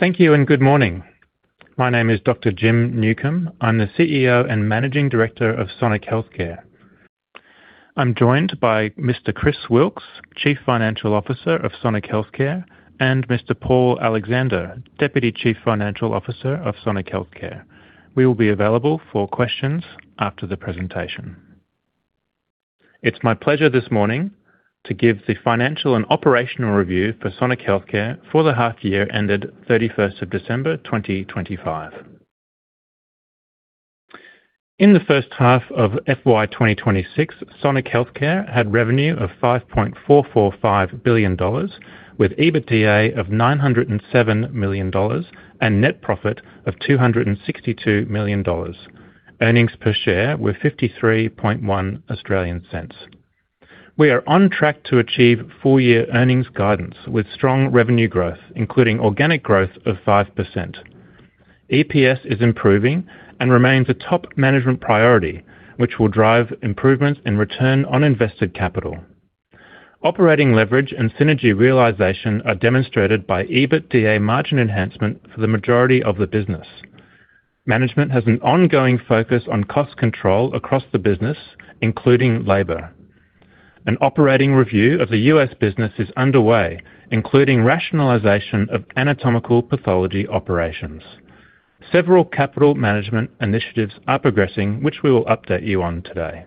Thank you and good morning. My name is Dr. Jim Newcombe. I'm the CEO and Managing Director of Sonic Healthcare. I'm joined by Mr. Chris Wilks, Chief Financial Officer of Sonic Healthcare, and Mr. Paul Alexander, Deputy Chief Financial Officer of Sonic Healthcare. We will be available for questions after the presentation. It's my pleasure this morning to give the financial and operational review for Sonic Healthcare for the half year ended thirty-first of December, 2025. In the first half of FY 2026, Sonic Healthcare had revenue of 5.445 billion dollars, with EBITDA of 907 million dollars, and net profit of 262 million dollars. Earnings per share were 0.531. We are on track to achieve full year earnings guidance with strong revenue growth, including organic growth of 5%. EPS is improving and remains a top management priority, which will drive improvements in return on invested capital. Operating leverage and synergy realization are demonstrated by EBITDA margin enhancement for the majority of the business. Management has an ongoing focus on cost control across the business, including labor. An operating review of the U.S. business is underway, including rationalization of anatomical pathology operations. Several capital management initiatives are progressing, which we will update you on today.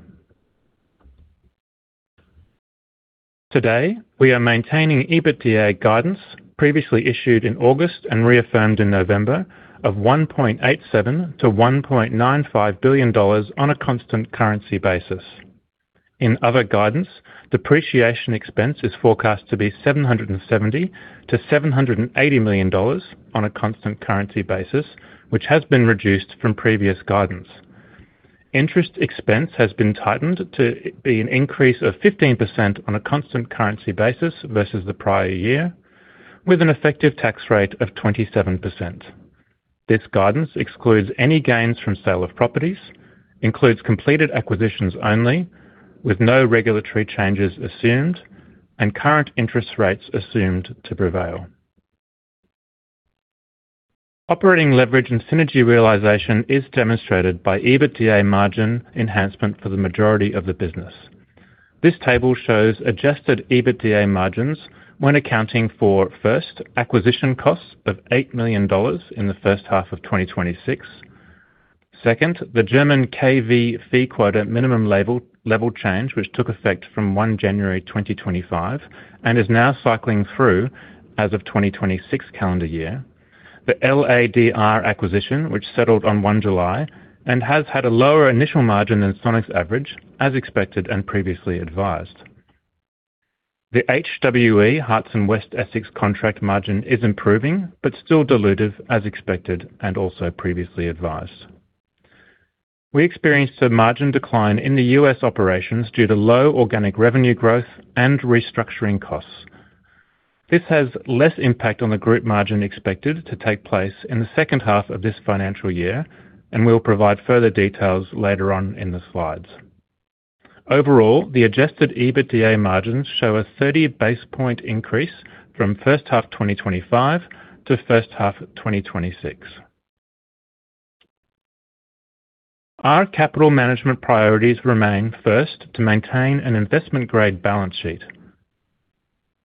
Today, we are maintaining EBITDA guidance previously issued in August and reaffirmed in November of $1.87 billion-$1.95 billion on a constant currency basis. In other guidance, depreciation expense is forecast to be $770 million-$780 million on a constant currency basis, which has been reduced from previous guidance. Interest expense has been tightened to be an increase of 15% on a constant currency basis versus the prior year, with an effective tax rate of 27%. This guidance excludes any gains from sale of properties, includes completed acquisitions only, with no regulatory changes assumed and current interest rates assumed to prevail. Operating leverage and synergy realization is demonstrated by EBITDA margin enhancement for the majority of the business. This table shows Adjusted EBITDA margins when accounting for, first, acquisition costs of $8 million in the first half of 2026. Second, the German KV fee quota minimum level change, which took effect from 1 January 2025, and is now cycling through as of 2026 calendar year. The LADR acquisition, which settled on 1 July and has had a lower initial margin than Sonic's average, as expected and previously advised. The HWE, Hertfordshire and West Essex contract margin is improving but still dilutive as expected and also previously advised. We experienced a margin decline in the U.S. operations due to low organic revenue growth and restructuring costs. This has less impact on the group margin expected to take place in the second half of this financial year, and we'll provide further details later on in the slides. Overall, the Adjusted EBITDA margins show a 30 basis point increase from first half 2025 to first half of 2026. Our capital management priorities remain: first, to maintain an investment-grade balance sheet,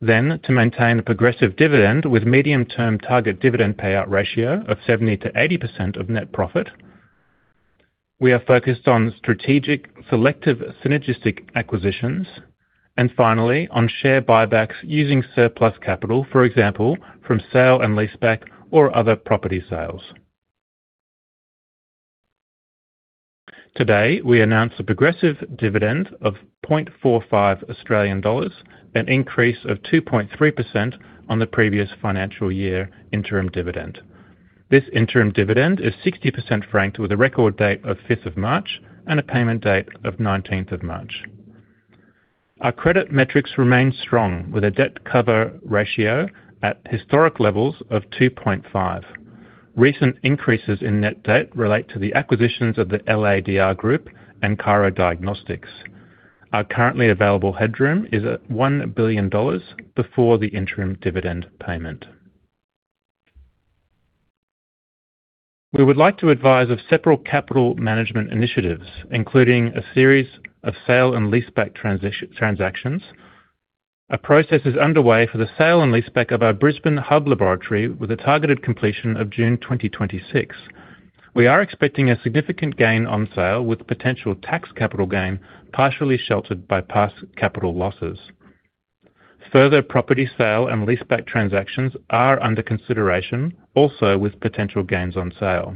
then to maintain a progressive dividend with medium-term target dividend payout ratio of 70%-80% of net profit. We are focused on strategic, selective, synergistic acquisitions and finally on share buybacks using surplus capital, for example, from sale and leaseback or other property sales. Today, we announce a progressive dividend of 0.45 Australian dollars, an increase of 2.3% on the previous financial year interim dividend. This interim dividend is 60% franked, with a record date of fifth of March and a payment date of nineteenth of March. Our credit metrics remain strong, with a debt cover ratio at historic levels of 2.5. Recent increases in net debt relate to the acquisitions of the LADR Group and Cairo Diagnostics. Our currently available headroom is at 1 billion dollars before the interim dividend payment. We would like to advise of several capital management initiatives, including a series of sale and leaseback transactions. A process is underway for the sale and leaseback of our Brisbane Hub laboratory, with a targeted completion of June 2026. We are expecting a significant gain on sale, with potential tax capital gain partially sheltered by past capital losses. Further property sale and leaseback transactions are under consideration, also with potential gains on sale.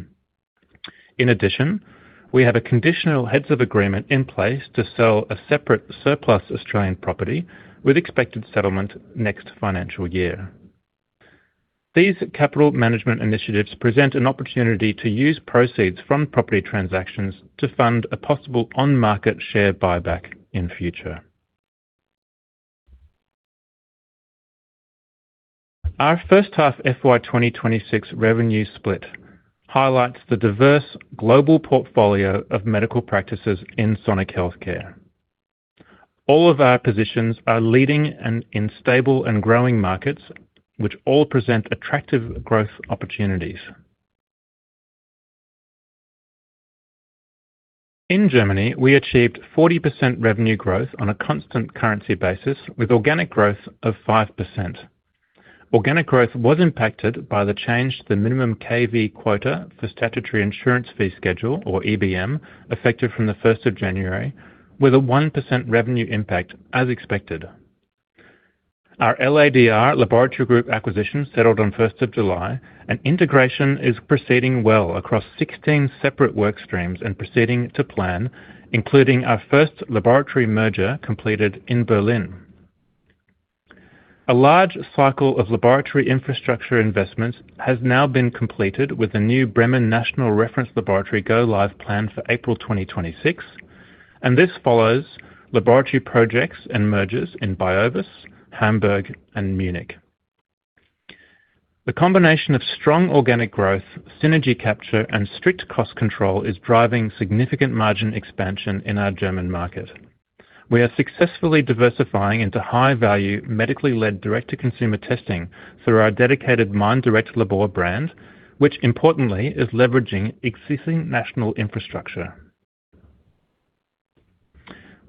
In addition, we have a conditional heads of agreement in place to sell a separate surplus Australian property with expected settlement next financial year. These capital management initiatives present an opportunity to use proceeds from property transactions to fund a possible on-market share buyback in future. Our first half FY 2026 revenue split highlights the diverse global portfolio of medical practices in Sonic Healthcare.... All of our positions are leading and in stable and growing markets, which all present attractive growth opportunities. In Germany, we achieved 40% revenue growth on a constant currency basis, with organic growth of 5%. Organic growth was impacted by the change to the minimum KV Quota for statutory insurance fee schedule or EBM, effective from the 1st of January, with a 1% revenue impact as expected. Our LADR laboratory group acquisition settled on 1st of July, and integration is proceeding well across 16 separate work streams and proceeding to plan, including our first laboratory merger completed in Berlin. A large cycle of laboratory infrastructure investments has now been completed, with the new Bremen National Reference Laboratory go live planned for April 2026, and this follows laboratory projects and mergers in Biovis, Hamburg, and Munich. The combination of strong organic growth, synergy capture, and strict cost control is driving significant margin expansion in our German market. We are successfully diversifying into high value, medically led, direct to consumer testing through our dedicated Mein Direktlabor brand, which importantly, is leveraging existing national infrastructure.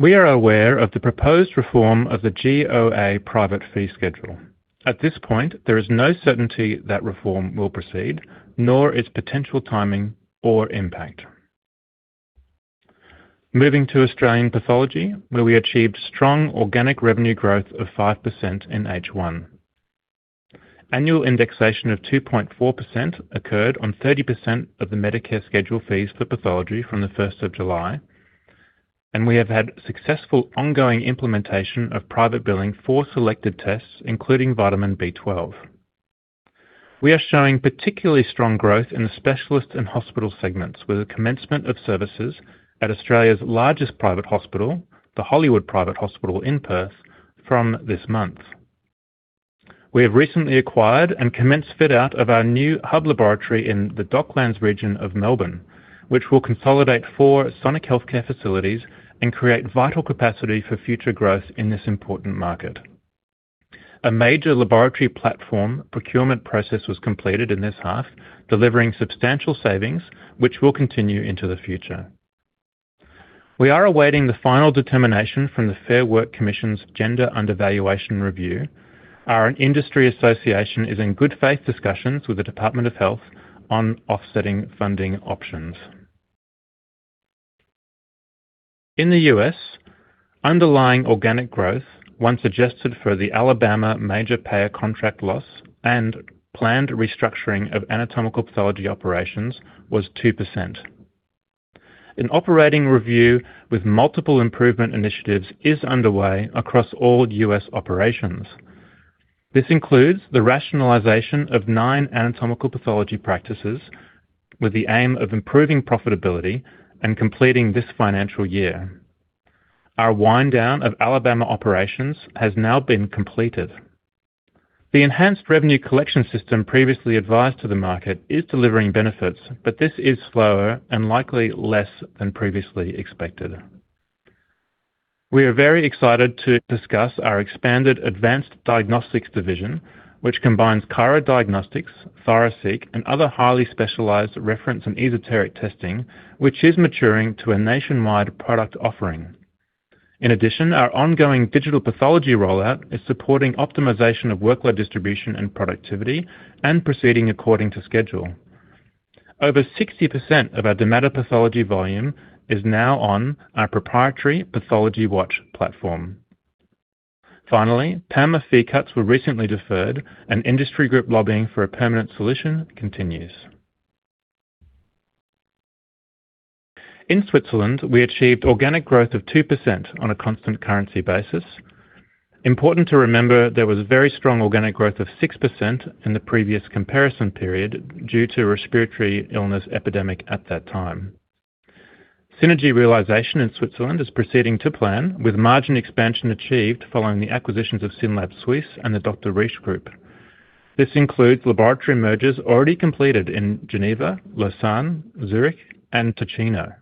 We are aware of the proposed reform of the GOÄ private fee schedule. At this point, there is no certainty that reform will proceed, nor its potential timing or impact. Moving to Australian pathology, where we achieved strong organic revenue growth of 5% in H1. Annual indexation of 2.4% occurred on 30% of the Medicare schedule fees for pathology from the 1st of July, and we have had successful ongoing implementation of private billing for selected tests, including vitamin B12. We are showing particularly strong growth in the specialist and hospital segments, with the commencement of services at Australia's largest private hospital, the Hollywood Private Hospital in Perth, from this month. We have recently acquired and commenced fit out of our new hub laboratory in the Docklands region of Melbourne, which will consolidate four Sonic Healthcare facilities and create vital capacity for future growth in this important market. A major laboratory platform procurement process was completed in this half, delivering substantial savings, which will continue into the future. We are awaiting the final determination from the Fair Work Commission's Gender Undervaluation Review. Our industry association is in good faith discussions with the Department of Health on offsetting funding options. In the U.S., underlying organic growth, once adjusted for the Alabama major payer contract loss and planned restructuring of anatomical pathology operations, was 2%. An operating review with multiple improvement initiatives is underway across all U.S. operations. This includes the rationalization of nine anatomical pathology practices, with the aim of improving profitability and completing this financial year. Our wind down of Alabama operations has now been completed. The enhanced revenue collection system previously advised to the market is delivering benefits, but this is slower and likely less than previously expected. We are very excited to discuss our Advanced Diagnostics division, which combines Cairo Diagnostics, ThyroSeq, and other highly specialized reference and esoteric testing, which is maturing to a nationwide product offering. In addition, our ongoing digital pathology rollout is supporting optimization of workload, distribution, and productivity, and proceeding according to schedule. Over 60% of our dermatopathology volume is now on our proprietary PathologyWatch platform. Finally, PAMA fee cuts were recently deferred, and industry group lobbying for a permanent solution continues. In Switzerland, we achieved organic growth of 2% on a constant currency basis. Important to remember, there was very strong organic growth of 6% in the previous comparison period due to respiratory illness epidemic at that time. Synergy realization in Switzerland is proceeding to plan, with margin expansion achieved following the acquisitions of Synlab Suisse and the Dr. Risch Group. This includes laboratory mergers already completed in Geneva, Lausanne, Zurich and Ticino.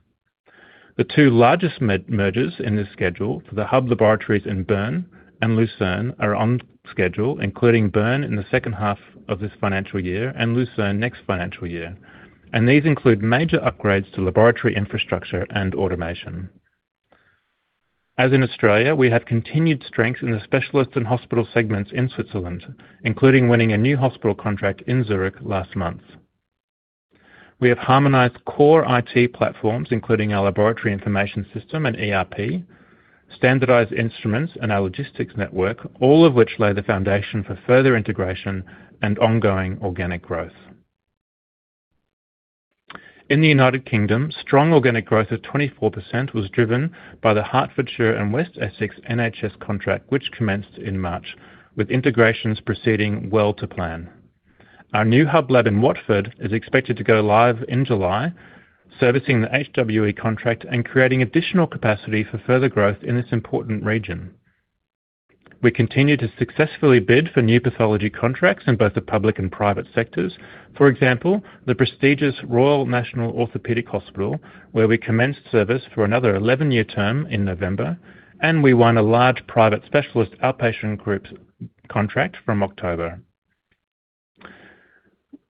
The two largest lab mergers in this schedule for the hub laboratories in Bern and Lucerne are on schedule, including Bern in the second half of this financial year and Lucerne next financial year, and these include major upgrades to laboratory infrastructure and automation. As in Australia, we have continued strength in the specialist and hospital segments in Switzerland, including winning a new hospital contract in Zurich last month. We have harmonized core IT platforms, including our laboratory information system and ERP, standardized instruments, and our logistics network, all of which lay the foundation for further integration and ongoing organic growth. In the United Kingdom, strong organic growth of 24% was driven by the Hertfordshire and West Essex NHS contract, which commenced in March, with integrations proceeding well to plan. Our new hub lab in Watford is expected to go live in July, servicing the HWE contract and creating additional capacity for further growth in this important region. We continue to successfully bid for new pathology contracts in both the public and private sectors. For example, the prestigious Royal National Orthopaedic Hospital, where we commenced service for another 11-year term in November, and we won a large private specialist outpatient group contract from October.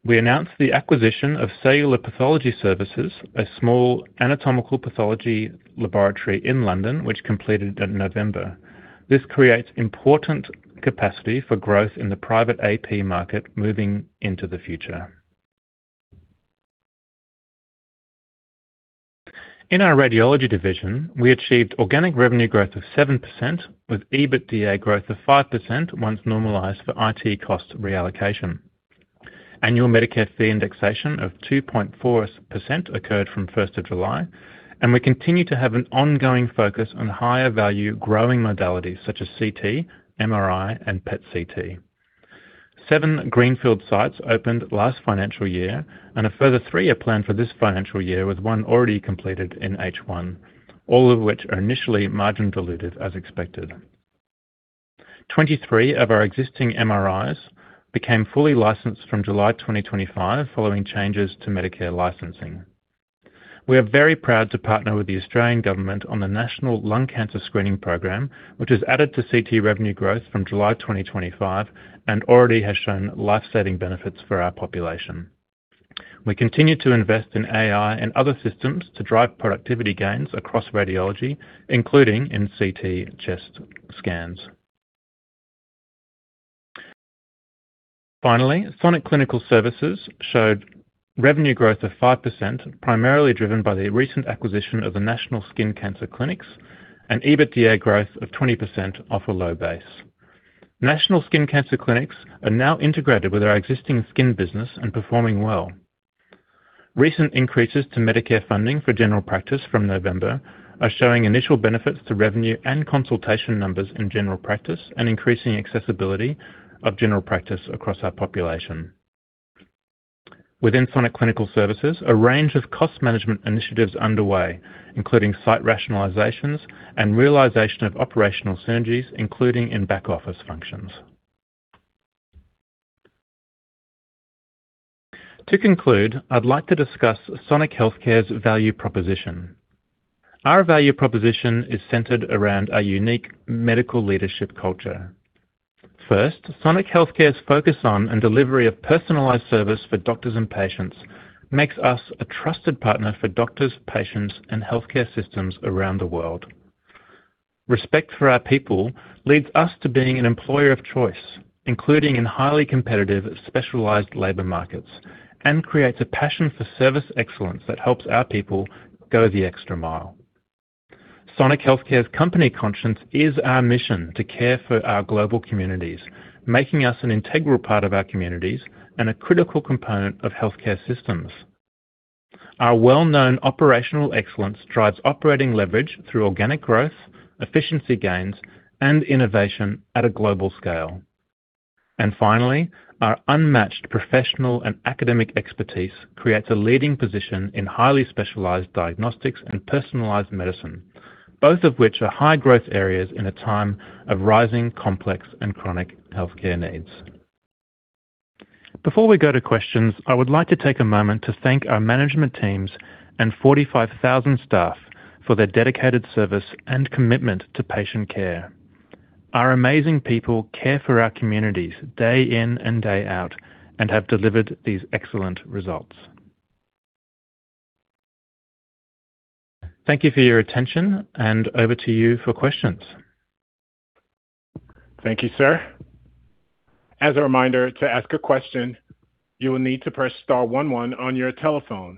We announced the acquisition of Cellular Pathology Services, a small anatomical pathology laboratory in London, which completed in November. This creates important capacity for growth in the private AP market moving into the future. In our radiology division, we achieved organic revenue growth of 7%, with EBITDA growth of 5%, once normalized for IT cost reallocation. Annual Medicare fee indexation of 2.4% occurred from first of July, and we continue to have an ongoing focus on higher value growing modalities such as CT, MRI, and PET CT. Seven greenfield sites opened last financial year, and a further 3 are planned for this financial year, with 1 already completed in H1, all of which are initially margin diluted, as expected. Twenty-three of our existing MRIs became fully licensed from July 2025, following changes to Medicare licensing. We are very proud to partner with the Australian Government on the National Lung Cancer Screening Program, which has added to CT revenue growth from July 2025 and already has shown life-saving benefits for our population. We continue to invest in AI and other systems to drive productivity gains across radiology, including in CT chest scans. Finally, Sonic Clinical Services showed revenue growth of 5%, primarily driven by the recent acquisition of the National Skin Cancer Clinics and EBITDA growth of 20% off a low base. National Skin Cancer Clinics are now integrated with our existing skin business and performing well. Recent increases to Medicare funding for general practice from November are showing initial benefits to revenue and consultation numbers in general practice and increasing accessibility of general practice across our population. Within Sonic Clinical Services, a range of cost management initiatives underway, including site rationalizations and realization of operational synergies, including in back office functions. To conclude, I'd like to discuss Sonic Healthcare's value proposition. Our value proposition is centered around a unique medical leadership culture. First, Sonic Healthcare's focus on and delivery of personalized service for doctors and patients makes us a trusted partner for doctors, patients, and healthcare systems around the world. Respect for our people leads us to being an employer of choice, including in highly competitive specialized labor markets, and creates a passion for service excellence that helps our people go the extra mile. Sonic Healthcare's company conscience is our mission to care for our global communities, making us an integral part of our communities and a critical component of healthcare systems. Our well-known operational excellence drives operating leverage through organic growth, efficiency gains, and innovation at a global scale. And finally, our unmatched professional and academic expertise creates a leading position in highly specialized diagnostics and personalized medicine, both of which are high growth areas in a time of rising, complex, and chronic healthcare needs. Before we go to questions, I would like to take a moment to thank our management teams and 45,000 staff for their dedicated service and commitment to patient care. Our amazing people care for our communities day in and day out and have delivered these excellent results. Thank you for your attention, and over to you for questions. Thank you, sir. As a reminder, to ask a question, you will need to press star one one on your telephone.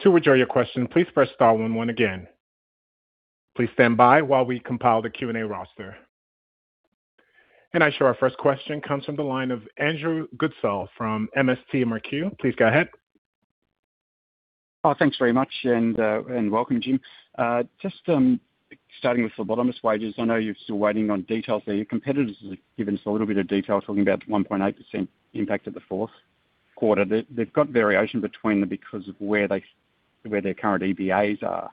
To withdraw your question, please press star one one again. Please stand by while we compile the Q&A roster. I show our first question comes from the line of Andrew Goodsall from MST Marquee. Please go ahead. Oh, thanks very much, and welcome, Jim. Just starting with phlebotomist wages, I know you're still waiting on details there. Your competitors have given us a little bit of detail, talking about 1.8% impact of the fourth quarter. They've got variation between them because of where they, where their current EBAs are.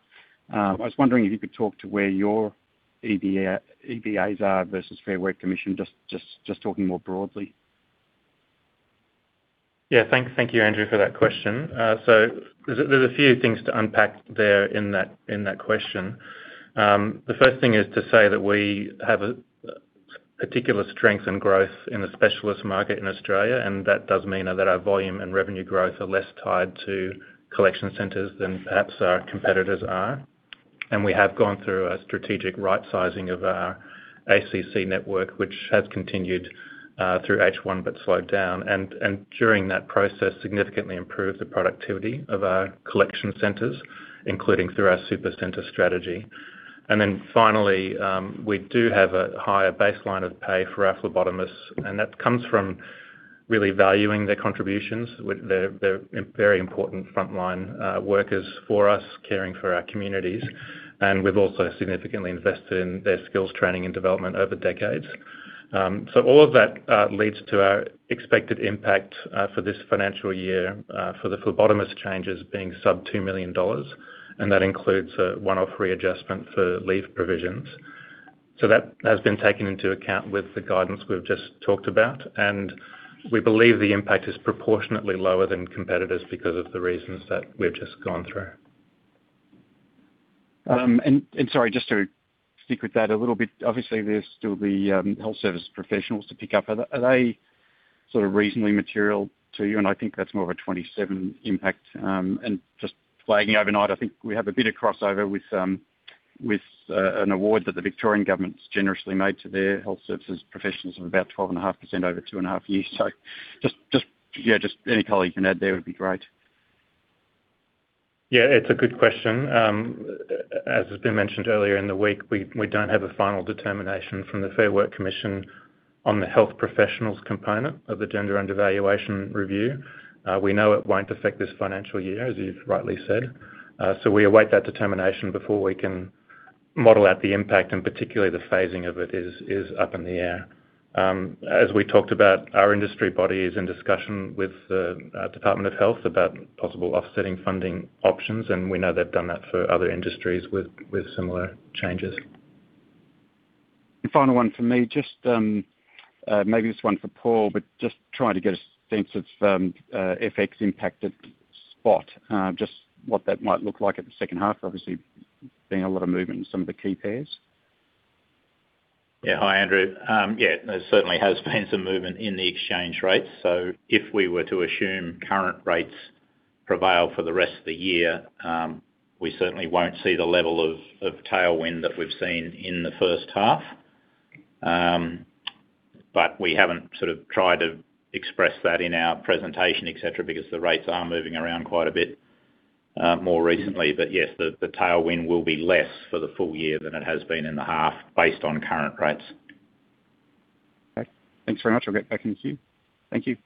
I was wondering if you could talk to where your EBA, EBAs are versus Fair Work Commission, just talking more broadly. Yeah, thank you, Andrew, for that question. So there's a few things to unpack there in that question. The first thing is to say that we have a particular strength and growth in the specialist market in Australia, and that does mean that our volume and revenue growth are less tied to collection centers than perhaps our competitors are. We have gone through a strategic right sizing of our ACC network, which has continued through H1, but slowed down, and during that process, significantly improved the productivity of our collection centers, including through our super center strategy. Then finally, we do have a higher baseline of pay for our phlebotomists, and that comes from really valuing their contributions with—they're very important frontline workers for us, caring for our communities. We've also significantly invested in their skills training and development over decades. So all of that leads to our expected impact for this financial year for the phlebotomist changes being sub 2 million dollars, and that includes a one-off re-adjustment for leave provisions. So that has been taken into account with the guidance we've just talked about, and we believe the impact is proportionately lower than competitors because of the reasons that we've just gone through. Sorry, just to stick with that a little bit. Obviously, there's still the health service professionals to pick up. Are they sort of reasonably material to you? And I think that's more of a 27 impact. Just flagging overnight, I think we have a bit of crossover with an award that the Victorian government's generously made to their health services professionals of about 12.5% over 2.5 years. So just yeah, any color you can add there would be great. Yeah, it's a good question. As has been mentioned earlier in the week, we don't have a final determination from the Fair Work Commission on the health professionals component of the gender undervaluation review. We know it won't affect this financial year, as you've rightly said. So we await that determination before we can model out the impact, and particularly the phasing of it is up in the air. As we talked about, our industry body is in discussion with the Department of Health about possible offsetting funding options, and we know they've done that for other industries with similar changes. Final one for me, just, maybe this is one for Paul, but just trying to get a sense of, FX impact at spot, just what that might look like at the second half, obviously being a lot of movement in some of the key pairs. Yeah. Hi, Andrew. Yeah, there certainly has been some movement in the exchange rate. So if we were to assume current rates prevail for the rest of the year, we certainly won't see the level of tailwind that we've seen in the first half. But we haven't sort of tried to express that in our presentation, et cetera, because the rates are moving around quite a bit more recently. But yes, the tailwind will be less for the full year than it has been in the half, based on current rates. Okay. Thanks very much. I'll get back in the queue. Thank you.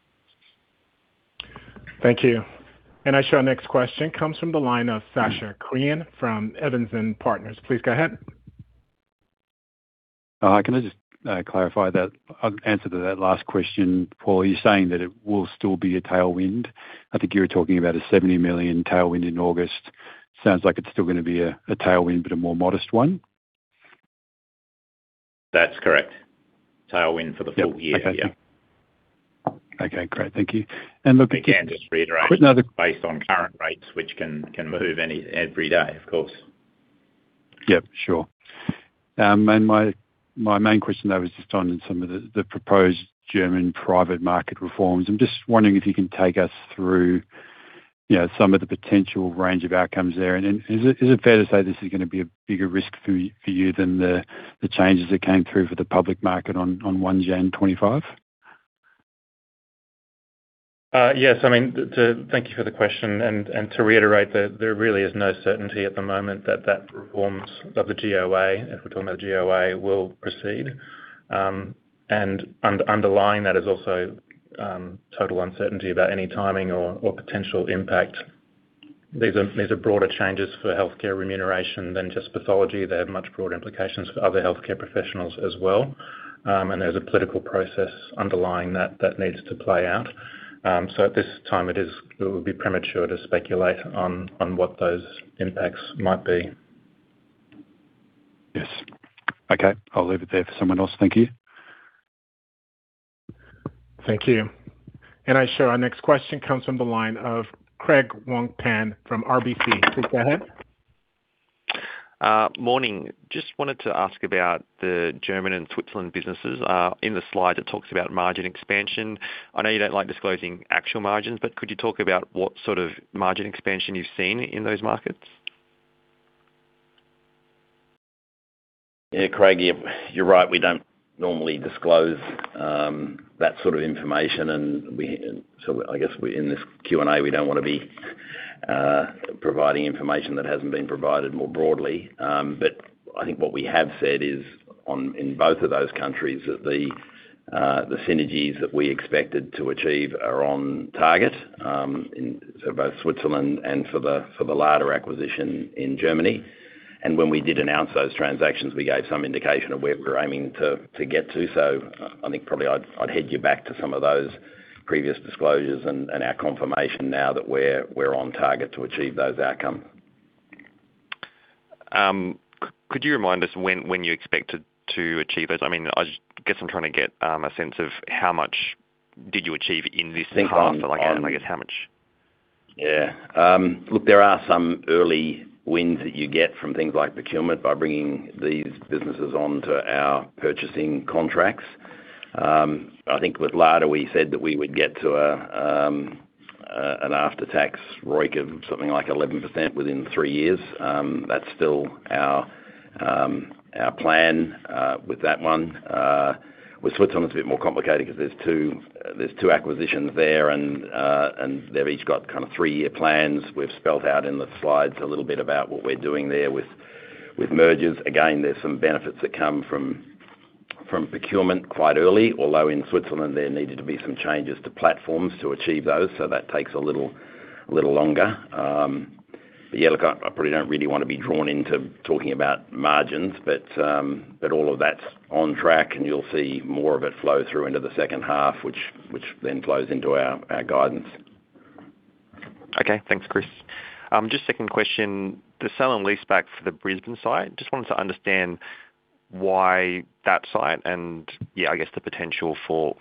Thank you. I show our next question comes from the line of Sascha Krien from Evans and Partners. Please go ahead. Hi, can I just clarify that answer to that last question, Paul? You're saying that it will still be a tailwind. I think you were talking about a 70 million tailwind in August. Sounds like it's still gonna be a tailwind, but a more modest one? That's correct. Tailwind for the full year, yeah. Okay, great. Thank you. And look- Again, just to reiterate- Quick another- Based on current rates, which can move every day, of course. Yep, sure. And my main question, though, is just on some of the proposed German private market reforms. I'm just wondering if you can take us through, you know, some of the potential range of outcomes there. And then, is it fair to say this is gonna be a bigger risk for you than the changes that came through for the public market on January 1, 2025? Yes, I mean, thank you for the question, and to reiterate, there really is no certainty at the moment that reforms of the GOÄ, if we're talking about GOÄ, will proceed. And underlying that is also total uncertainty about any timing or potential impact. These are broader changes for healthcare remuneration than just pathology. They have much broader implications for other healthcare professionals as well. And there's a political process underlying that needs to play out. So at this time, it would be premature to speculate on what those impacts might be. Yes. Okay, I'll leave it there for someone else. Thank you. Thank you. I show our next question comes from the line of Craig Wong-Pan from RBC. Please go ahead. Morning. Just wanted to ask about the German and Switzerland businesses. In the slide, it talks about margin expansion. I know you don't like disclosing actual margins, but could you talk about what sort of margin expansion you've seen in those markets? Yeah, Craig, you're right. We don't normally disclose that sort of information, and we. So I guess, we in this Q&A, we don't wanna be providing information that hasn't been provided more broadly. But I think what we have said is on in both of those countries, that the synergies that we expected to achieve are on target, so both Switzerland and for the latter acquisition in Germany. And when we did announce those transactions, we gave some indication of where we're aiming to get to. So I think probably I'd head you back to some of those previous disclosures and our confirmation now that we're on target to achieve those outcomes. Could you remind us when, when you expected to achieve this? I mean, I just guess I'm trying to get a sense of how much did you achieve in this half, and I guess, how much? Yeah. Look, there are some early wins that you get from things like procurement by bringing these businesses onto our purchasing contracts. I think with LADR, we said that we would get to an after-tax ROIC of something like 11% within three years. That's still our, our plan, with that one. With Switzerland, it's a bit more complicated because there's two, there's two acquisitions there, and, and they've each got kind of three-year plans. We've spelled out in the slides a little bit about what we're doing there with, with mergers. Again, there's some benefits that come from, from procurement quite early, although in Switzerland, there needed to be some changes to platforms to achieve those, so that takes a little, little longer. Yeah, look, I probably don't really want to be drawn into talking about margins, but all of that's on track, and you'll see more of it flow through into the second half, which then flows into our guidance. Okay. Thanks, Chris. Just second question, the sell and leaseback for the Brisbane site. Just wanted to understand why that site and, yeah, I guess the potential for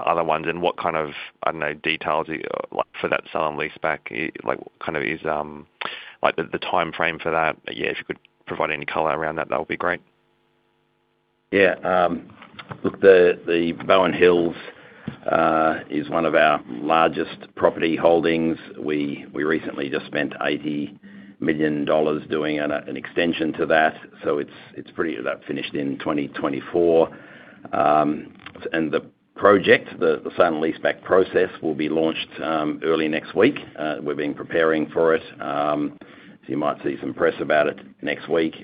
other ones and what kind of, I don't know, details you—like, for that sell and leaseback, like, what kind of is the timeframe for that? Yeah, if you could provide any color around that, that would be great. Yeah. Look, the Bowen Hills is one of our largest property holdings. We recently just spent 80 million dollars doing an extension to that, so it's pretty— That finished in 2024. And the project, the sale and leaseback process will be launched early next week. We've been preparing for it, so you might see some press about it next week.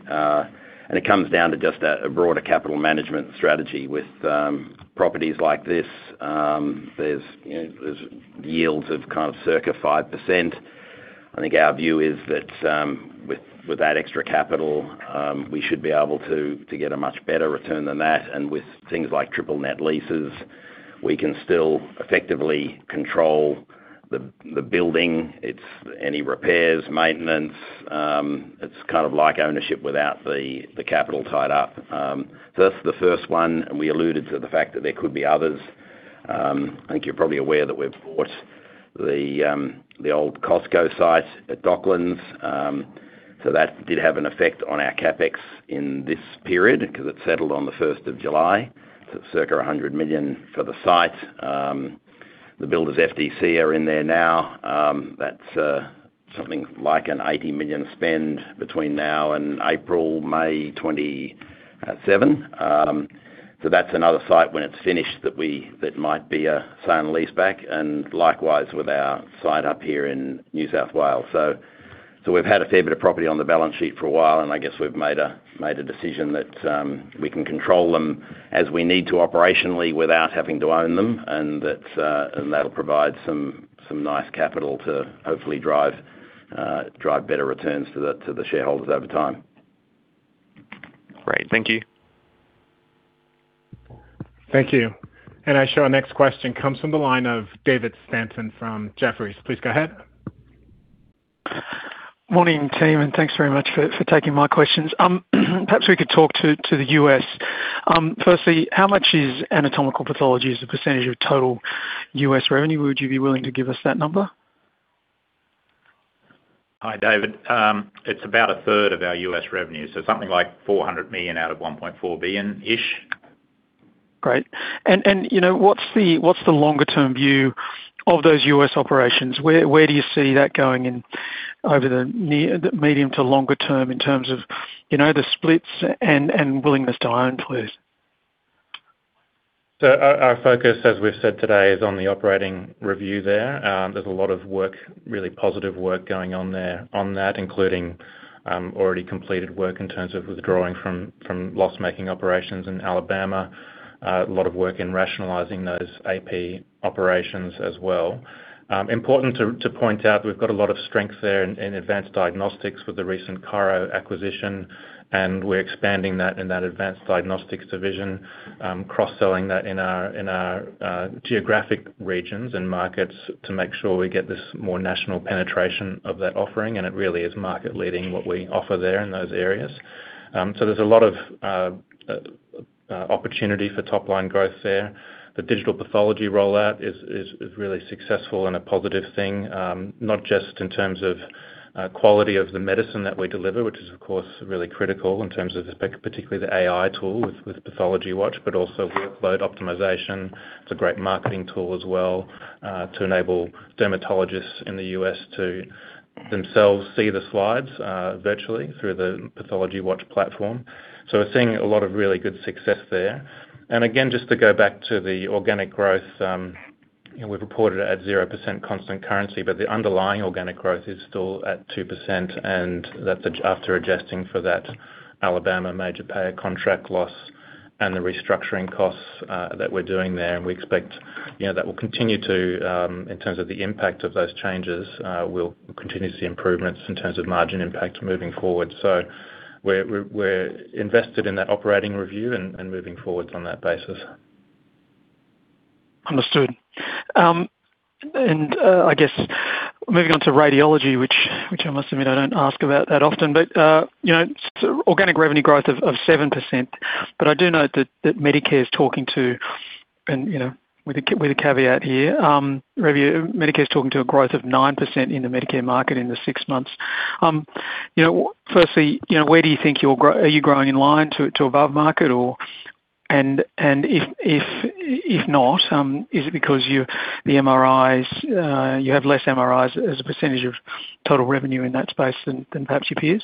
And it comes down to just a broader capital management strategy with properties like this, there's, you know, there's yields of kind of circa 5%. I think our view is that with that extra capital we should be able to get a much better return than that. And with things like triple net leases, we can still effectively control the building, its— any repairs, maintenance. It's kind of like ownership without the, the capital tied up. So that's the first one, and we alluded to the fact that there could be others. I think you're probably aware that we've bought the, the old Costco site at Docklands. So that did have an effect on our CapEx in this period 'cause it settled on the first of July, so circa 100 million for the site. The builders FDC are in there now. That's something like an 80 million spend between now and April-May 2027. So that's another site when it's finished that we - that might be a sale and leaseback, and likewise with our site up here in New South Wales. So we've had a fair bit of property on the balance sheet for a while, and I guess we've made a decision that we can control them as we need to operationally without having to own them. And that'll provide some nice capital to hopefully drive better returns to the shareholders over time. Great. Thank you. Thank you. I show our next question comes from the line of David Stanton from Jefferies. Please go ahead. Morning, team, and thanks very much for taking my questions. Perhaps we could talk to the U.S.. Firstly, how much is anatomical pathology as a percentage of total U.S. revenue? Would you be willing to give us that number? Hi, David. It's about a third of our U.S. revenue, so something like $400 million out of $1.4 billion-ish. Great. And, you know, what's the longer term view of those U.S. operations? Where do you see that going in over the medium to longer term in terms of, you know, the splits and willingness to own, please? So our focus, as we've said today, is on the operating review there. There's a lot of work, really positive work going on there on that, including already completed work in terms of withdrawing from loss-making operations in Alabama. A lot of work in rationalizing those AP operations as well. Important to point out, we've got a lot of strength there in Advanced Diagnostics with the recent Cairo acquisition, and we're expanding that in Advanced Diagnostics division. cross-selling that in our geographic regions and markets to make sure we get this more national penetration of that offering, and it really is market leading, what we offer there in those areas. So there's a lot of opportunity for top-line growth there. The digital pathology rollout is really successful and a positive thing, not just in terms of quality of the medicine that we deliver, which is, of course, really critical in terms of particularly the AI tool with PathologyWatch, but also workload optimization. It's a great marketing tool as well, to enable dermatologists in the U.S. to themselves see the slides virtually through the PathologyWatch platform. So we're seeing a lot of really good success there. And again, just to go back to the organic growth, you know, we've reported it at 0% constant currency, but the underlying organic growth is still at 2%, and that's after adjusting for that Alabama major payer contract loss and the restructuring costs that we're doing there. We expect, you know, that will continue to, in terms of the impact of those changes, we'll continue to see improvements in terms of margin impact moving forward. So we're invested in that operating review and moving forward on that basis. Understood. I guess moving on to radiology, which I must admit I don't ask about that often, you know, organic revenue growth of 7%. I do note that Medicare is talking to, and, you know, with a caveat here, review, Medicare is talking to a growth of 9% in the Medicare market in the six months. You know, firstly, you know, where do you think you're grow-- are you growing in line to, to above market or... If not, is it because you, the MRIs, you have less MRIs as a percentage of total revenue in that space than, than perhaps your peers?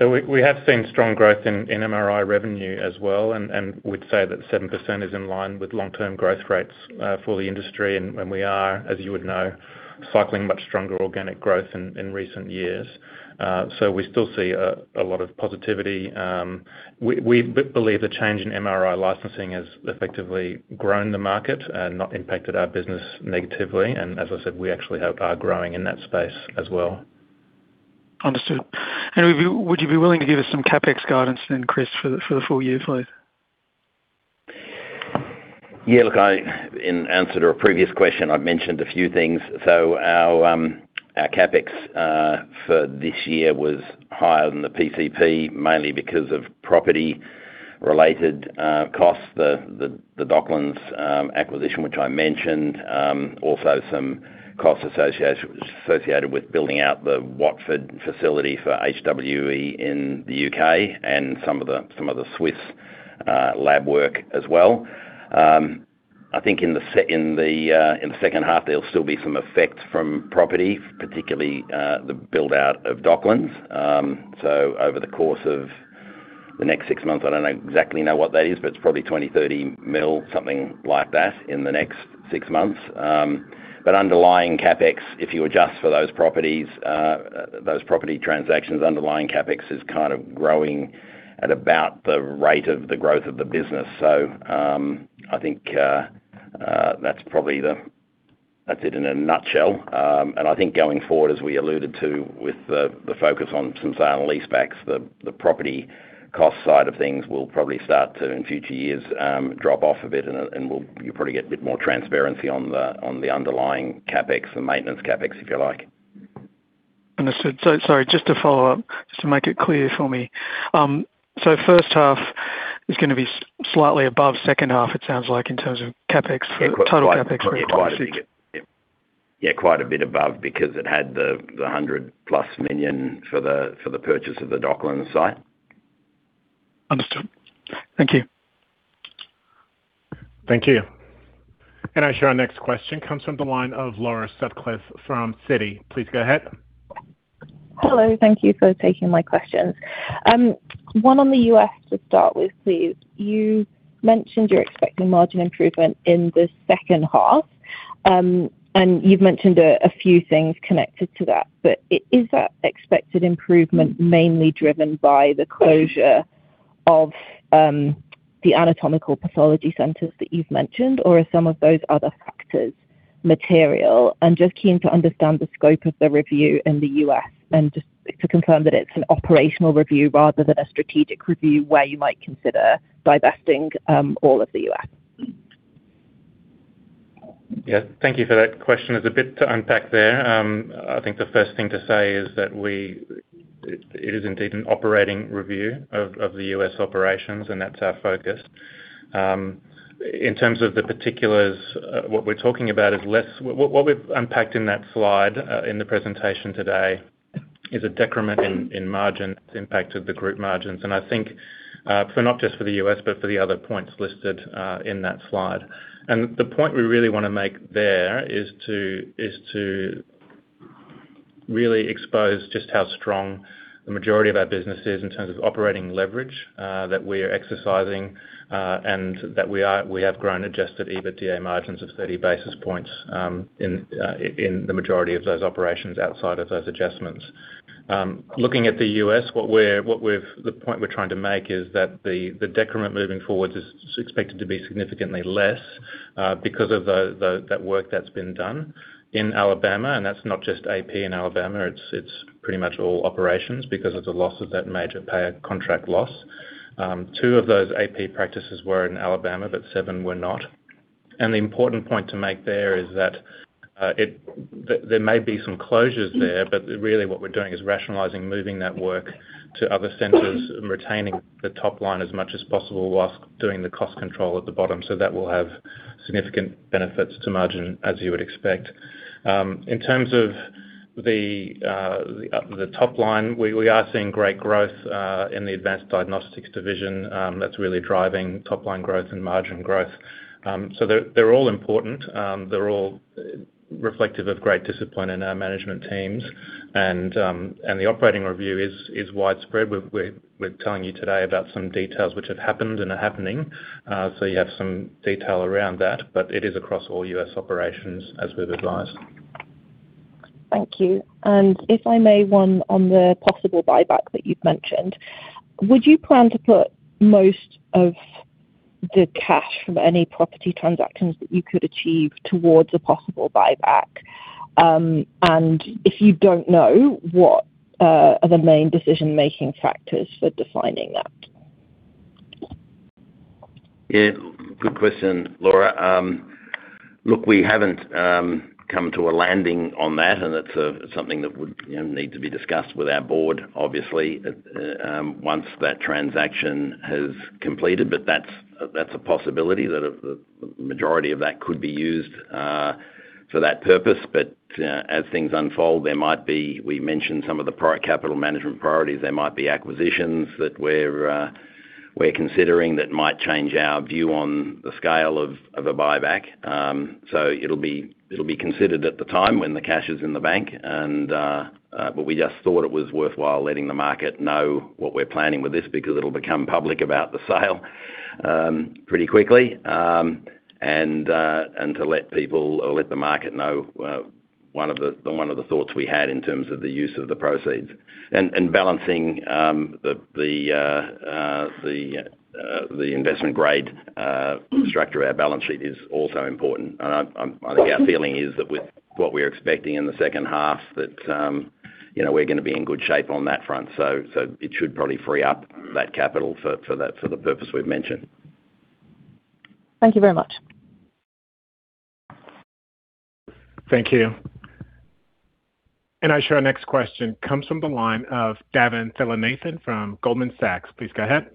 So we have seen strong growth in MRI revenue as well, and we'd say that 7% is in line with long-term growth rates for the industry. We are, as you would know, cycling much stronger organic growth in recent years. So we still see a lot of positivity. We believe the change in MRI licensing has effectively grown the market and not impacted our business negatively. As I said, we actually are growing in that space as well. ...Understood. And would you, would you be willing to give us some CapEx guidance then, Chris, for the, for the full year, please? Yeah, look, in answer to a previous question, I've mentioned a few things. So our CapEx for this year was higher than the PCP, mainly because of property-related costs. The Docklands acquisition, which I mentioned, also some costs associated with building out the Watford facility for HWE in the U.K. and some of the Swiss lab work as well. I think in the second half, there'll still be some effects from property, particularly the build-out of Docklands. So over the course of the next six months, I don't know exactly what that is, but it's probably 20 million-30 million, something like that, in the next six months. But underlying CapEx, if you adjust for those properties, those property transactions, underlying CapEx is kind of growing at about the rate of the growth of the business. So, I think, that's probably the- that's it in a nutshell. And I think going forward, as we alluded to with the, the focus on sale and leasebacks, the, the property cost side of things will probably start to, in future years, drop off a bit, and, and we'll-- you'll probably get a bit more transparency on the, on the underlying CapEx and maintenance CapEx, if you like. Understood. So sorry, just to follow up, just to make it clear for me. So first half is gonna be slightly above second half, it sounds like, in terms of CapEx, total CapEx for 2026? Yeah, quite a bit above, because it had the 100+ million for the purchase of the Docklands site. Understood. Thank you. Thank you. Our next question comes from the line of Laura Sutcliffe from Citi. Please go ahead. Hello. Thank you for taking my questions. One on the U.S. to start with, please. You mentioned you're expecting margin improvement in the second half, and you've mentioned a few things connected to that. But is that expected improvement mainly driven by the closure of the anatomical pathology centers that you've mentioned, or are some of those other factors material? And just keen to understand the scope of the review in the U.S., and just to confirm that it's an operational review rather than a strategic review, where you might consider divesting all of the U.S. Yeah, thank you for that question. It's a bit to unpack there. I think the first thing to say is that it is indeed an operating review of the U.S. operations, and that's our focus. In terms of the particulars, what we're talking about is what we've unpacked in that slide in the presentation today, is a decrement in margins, impact of the group margins. And I think, for not just the U.S., but for the other points listed in that slide. The point we really wanna make there is to really expose just how strong the majority of our business is in terms of operating leverage that we are exercising, and that we have grown Adjusted EBITDA margins of 30 basis points in the majority of those operations outside of those adjustments. Looking at the U.S., the point we're trying to make is that the decrement moving forward is expected to be significantly less because of that work that's been done in Alabama, and that's not just AP in Alabama. It's pretty much all operations because of the loss of that major payer contract loss. Two of those AP practices were in Alabama, but seven were not. The important point to make there is that there may be some closures there, but really what we're doing is rationalizing, moving that work to other centers and retaining the top line as much as possible whilst doing the cost control at the bottom. So that will have significant benefits to margin, as you would expect. In terms of the top line, we are seeing great growth in Advanced Diagnostics division, that's really driving top-line growth and margin growth. So they're all important. They're all reflective of great discipline in our management teams, and the operating review is widespread. We're telling you today about some details which have happened and are happening. So you have some detail around that, but it is across all U.S. operations, as we've advised. Thank you. And if I may, one on the possible buyback that you've mentioned. Would you plan to put most of the cash from any property transactions that you could achieve towards a possible buyback? And if you don't know, what are the main decision-making factors for defining that? Yeah, good question, Laura. Look, we haven't come to a landing on that, and that's something that would, you know, need to be discussed with our board, obviously, once that transaction has completed. That's a possibility, that the majority of that could be used for that purpose. As things unfold, we mentioned some of the capital management priorities. There might be acquisitions that we're considering that might change our view on the scale of a buyback. It'll be considered at the time when the cash is in the bank, and we just thought it was worthwhile letting the market know what we're planning with this, because it'll become public about the sale pretty quickly. To let people or let the market know, one of the thoughts we had in terms of the use of the proceeds. Balancing the investment grade structure of our balance sheet is also important. I think our feeling is that with what we're expecting in the second half, that, you know, we're gonna be in good shape on that front. It should probably free up that capital for the purpose we've mentioned. Thank you very much. Thank you. And I show our next question comes from the line of Davin Thillainathan from Goldman Sachs. Please go ahead.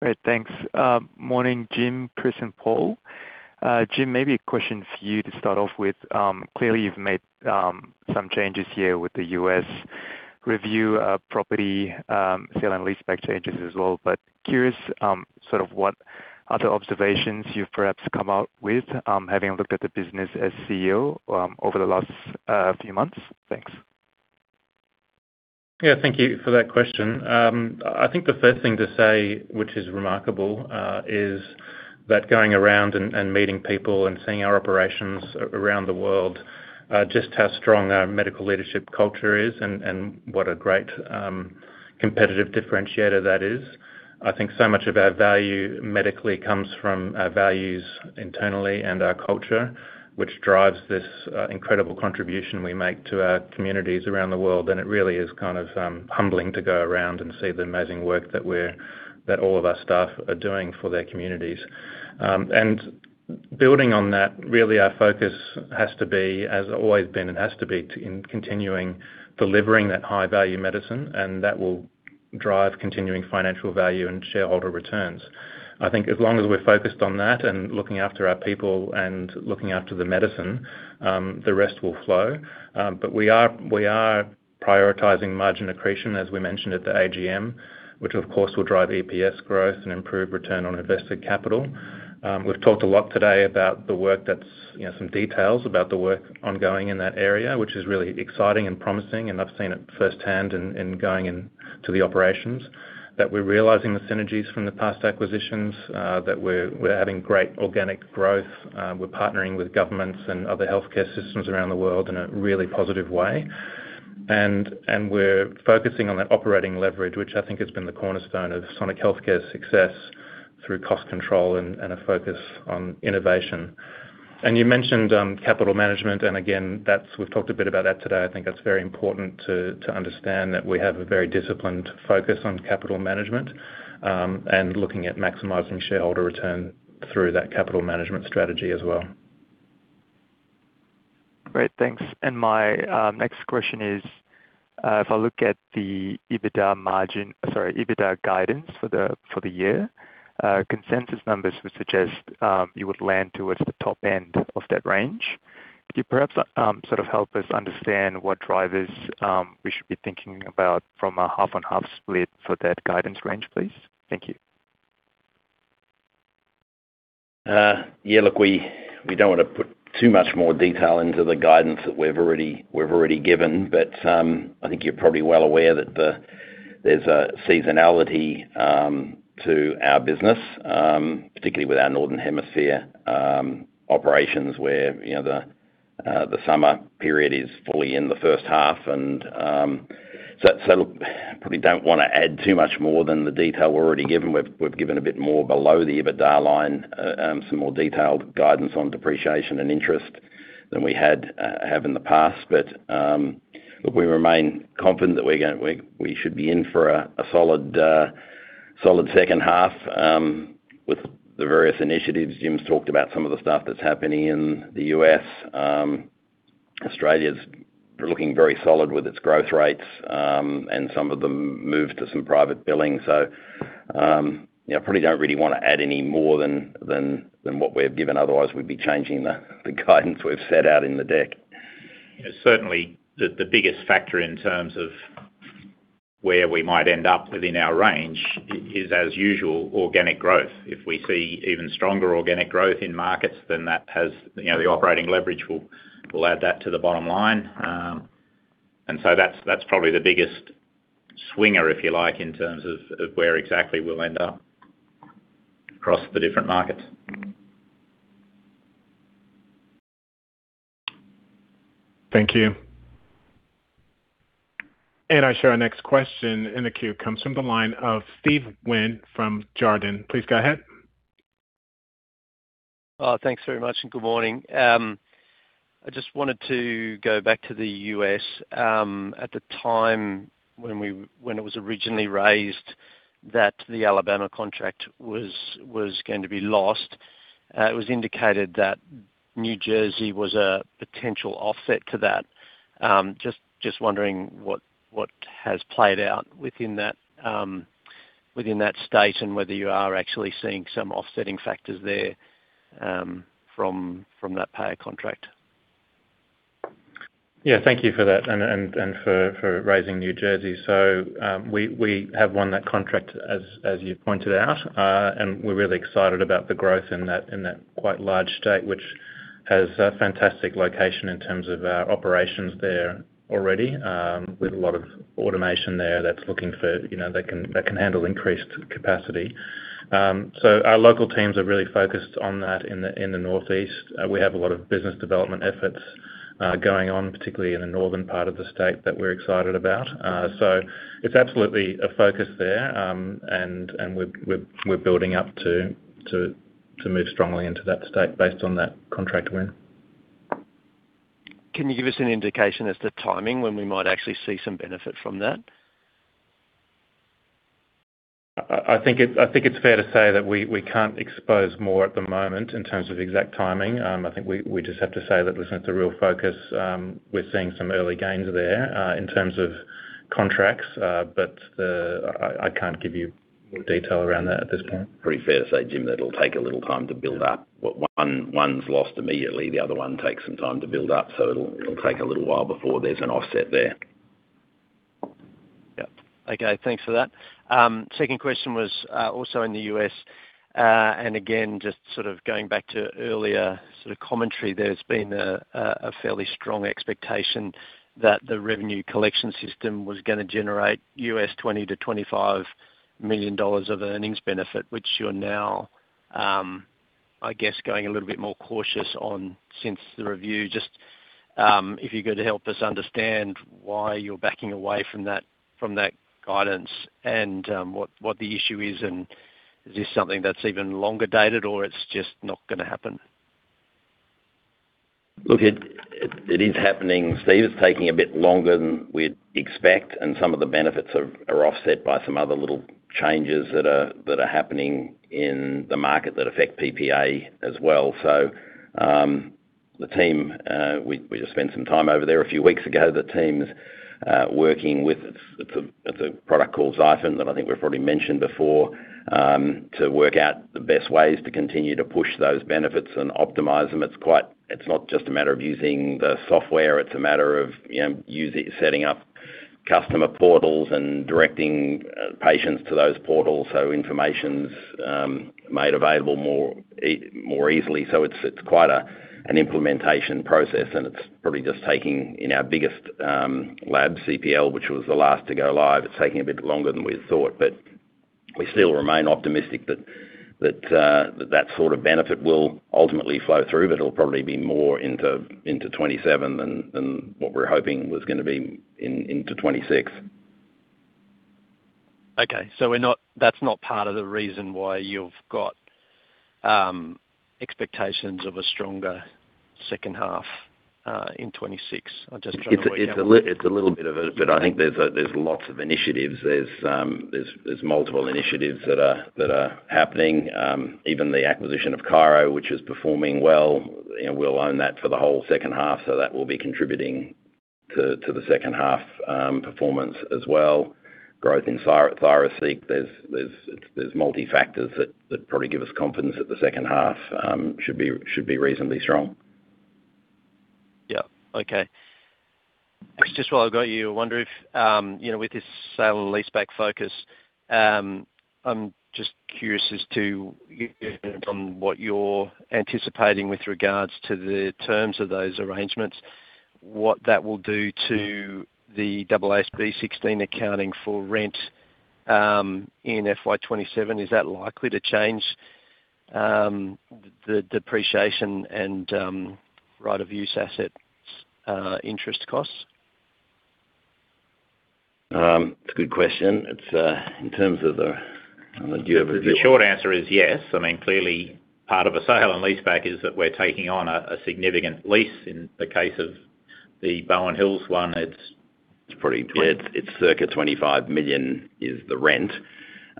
Great, thanks. Morning, Jim, Chris, and Paul. Jim, maybe a question for you to start off with. Clearly, you've made some changes here with the U.S. review of property sale and leaseback changes as well. But curious, sort of what other observations you've perhaps come out with, having looked at the business as CEO, over the last few months? Thanks. Yeah, thank you for that question. I think the first thing to say, which is remarkable, is that going around and meeting people and seeing our operations around the world, just how strong our medical leadership culture is and what a great competitive differentiator that is. I think so much of our value medically comes from our values internally and our culture, which drives this incredible contribution we make to our communities around the world. And it really is kind of humbling to go around and see the amazing work that all of our staff are doing for their communities. And building on that, really, our focus has to be, has always been and has to be, to continuing delivering that high-value medicine, and that will drive continuing financial value and shareholder returns. I think as long as we're focused on that and looking after our people and looking after the medicine, the rest will flow. But we are prioritizing margin accretion, as we mentioned at the AGM, which of course will drive EPS growth and improve return on invested capital. We've talked a lot today about the work that's, you know, some details about the work ongoing in that area, which is really exciting and promising, and I've seen it firsthand in going into the operations. That we're realizing the synergies from the past acquisitions, that we're having great organic growth. We're partnering with governments and other healthcare systems around the world in a really positive way. We're focusing on that operating leverage, which I think has been the cornerstone of Sonic Healthcare's success through cost control and a focus on innovation. You mentioned capital management, and again, we've talked a bit about that today. I think that's very important to understand that we have a very disciplined focus on capital management, and looking at maximizing shareholder return through that capital management strategy as well. Great, thanks. My next question is, if I look at the EBITDA margin, sorry, EBITDA guidance for the year, consensus numbers would suggest you would land towards the top end of that range. Could you perhaps sort of help us understand what drivers we should be thinking about from a half-on-half split for that guidance range, please? Thank you. Yeah, look, we don't wanna put too much more detail into the guidance that we've already given, but I think you're probably well aware that there's a seasonality to our business, particularly with our Northern Hemisphere operations, where, you know, the summer period is fully in the first half. So look, probably don't wanna add too much more than the detail we've already given. We've given a bit more below the EBITDA line, some more detailed guidance on depreciation and interest than we have in the past. But look, we remain confident that we're gonna—we should be in for a solid second half with the various initiatives. Jim's talked about some of the stuff that's happening in the U.S. Australia's looking very solid with its growth rates, and some of them moved to some private billing. So, yeah, probably don't really wanna add any more than what we've given, otherwise, we'd be changing the guidance we've set out in the deck. Yeah, certainly, the biggest factor in terms of where we might end up within our range is, as usual, organic growth. If we see even stronger organic growth in markets, then that has, you know, the operating leverage, we'll add that to the bottom line. And so that's probably the biggest swinger, if you like, in terms of where exactly we'll end up across the different markets. Thank you. I show our next question in the queue comes from the line of Steve Wheen from Jarden. Please go ahead. Thanks very much, and good morning. I just wanted to go back to the U.S. At the time when we, when it was originally raised that the Alabama contract was, was going to be lost, it was indicated that New Jersey was a potential offset to that. Just, just wondering what, what has played out within that, within that state and whether you are actually seeing some offsetting factors there, from, from that payer contract? Yeah, thank you for that and for raising New Jersey. So, we have won that contract as you pointed out, and we're really excited about the growth in that quite large state, which has a fantastic location in terms of our operations there already, with a lot of automation there that's looking for... You know, that can handle increased capacity. So our local teams are really focused on that in the Northeast. We have a lot of business development efforts going on, particularly in the northern part of the state, that we're excited about. So it's absolutely a focus there, and we're building up to move strongly into that state based on that contract win. Can you give us an indication as to timing, when we might actually see some benefit from that? I think it's fair to say that we can't expose more at the moment in terms of exact timing. I think we just have to say that, listen, it's a real focus. We're seeing some early gains there in terms of contracts, but I can't give you detail around that at this point. Pretty fair to say, Jim, that it'll take a little time to build up. What one, one's lost immediately, the other one takes some time to build up, so it'll take a little while before there's an offset there. Yep. Okay, thanks for that. Second question was, also in the U.S., and again, just sort of going back to earlier sort of commentary, there's been a fairly strong expectation that the revenue collection system was gonna generate $20 million-$25 million of earnings benefit, which you're now, I guess, going a little bit more cautious on since the review. Just, if you could help us understand why you're backing away from that, from that guidance, and, what the issue is, and is this something that's even longer dated, or it's just not gonna happen? Look, it is happening, Steve. It's taking a bit longer than we'd expect, and some of the benefits are offset by some other little changes that are happening in the market that affect PPA as well. So, the team, we just spent some time over there a few weeks ago. The team's working with it. It's a product called XIFIN, that I think we've probably mentioned before, to work out the best ways to continue to push those benefits and optimize them. It's quite. It's not just a matter of using the software, it's a matter of, you know, setting up customer portals and directing patients to those portals, so information's made available more easily. So it's quite an implementation process, and it's probably just taking in our biggest lab, CPL, which was the last to go live, it's taking a bit longer than we thought. But we still remain optimistic that that sort of benefit will ultimately flow through, but it'll probably be more into 2027 than what we're hoping was gonna be in 2026. Okay, so we're not. That's not part of the reason why you've got expectations of a stronger second half in 2026? I'm just trying to work out- It's a little bit of it, but I think there's a, there's lots of initiatives. There's, there's multiple initiatives that are happening. Even the acquisition of Cairo, which is performing well, and we'll own that for the whole second half, so that will be contributing to the second half performance as well. Growth in ThyroSeq. There's multi factors that probably give us confidence that the second half should be reasonably strong. Yep. Okay. Just while I've got you, I wonder if, you know, with this sale and lease back focus, I'm just curious as to on what you're anticipating with regards to the terms of those arrangements, what that will do to the AASB 16 accounting for rent, in FY 2027. Is that likely to change, the depreciation and, right of use assets, interest costs? It's a good question. It's in terms of the, I don't know, do you have the- The short answer is yes. I mean, clearly, part of a sale and leaseback is that we're taking on a significant lease. In the case of the Bowen Hills one, it's- It's pretty. Yeah, it's circa 25 million is the rent.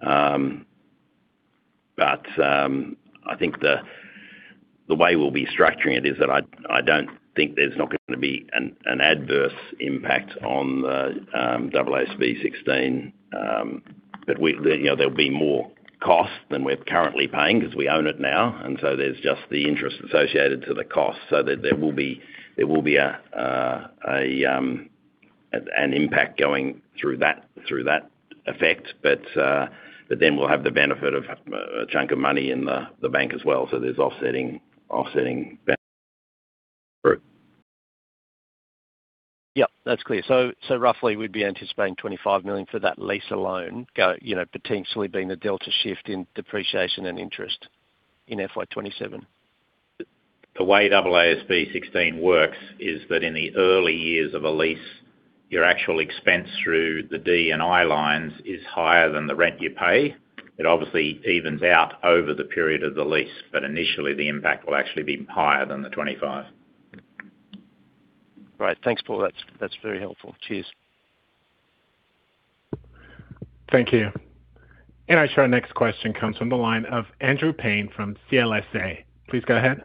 But, I think the way we'll be structuring it is that I don't think there's not gonna be an adverse impact on the AASB 16. But we, you know, there'll be more cost than we're currently paying because we own it now, and so there's just the interest associated to the cost. So there will be an impact going through that effect. But then we'll have the benefit of a chunk of money in the bank as well. So there's offsetting benefit through. Yep, that's clear. So, roughly we'd be anticipating 25 million for that lease alone, you know, potentially being the delta shift in depreciation and interest in FY 2027. The way AASB 16 works is that in the early years of a lease, your actual expense through the D&I lines is higher than the rent you pay. It obviously evens out over the period of the lease, but initially, the impact will actually be higher than the 25. Right. Thanks, Paul. That's, that's very helpful. Cheers. Thank you. And I see our next question comes from the line of Andrew Paine from CLSA. Please go ahead.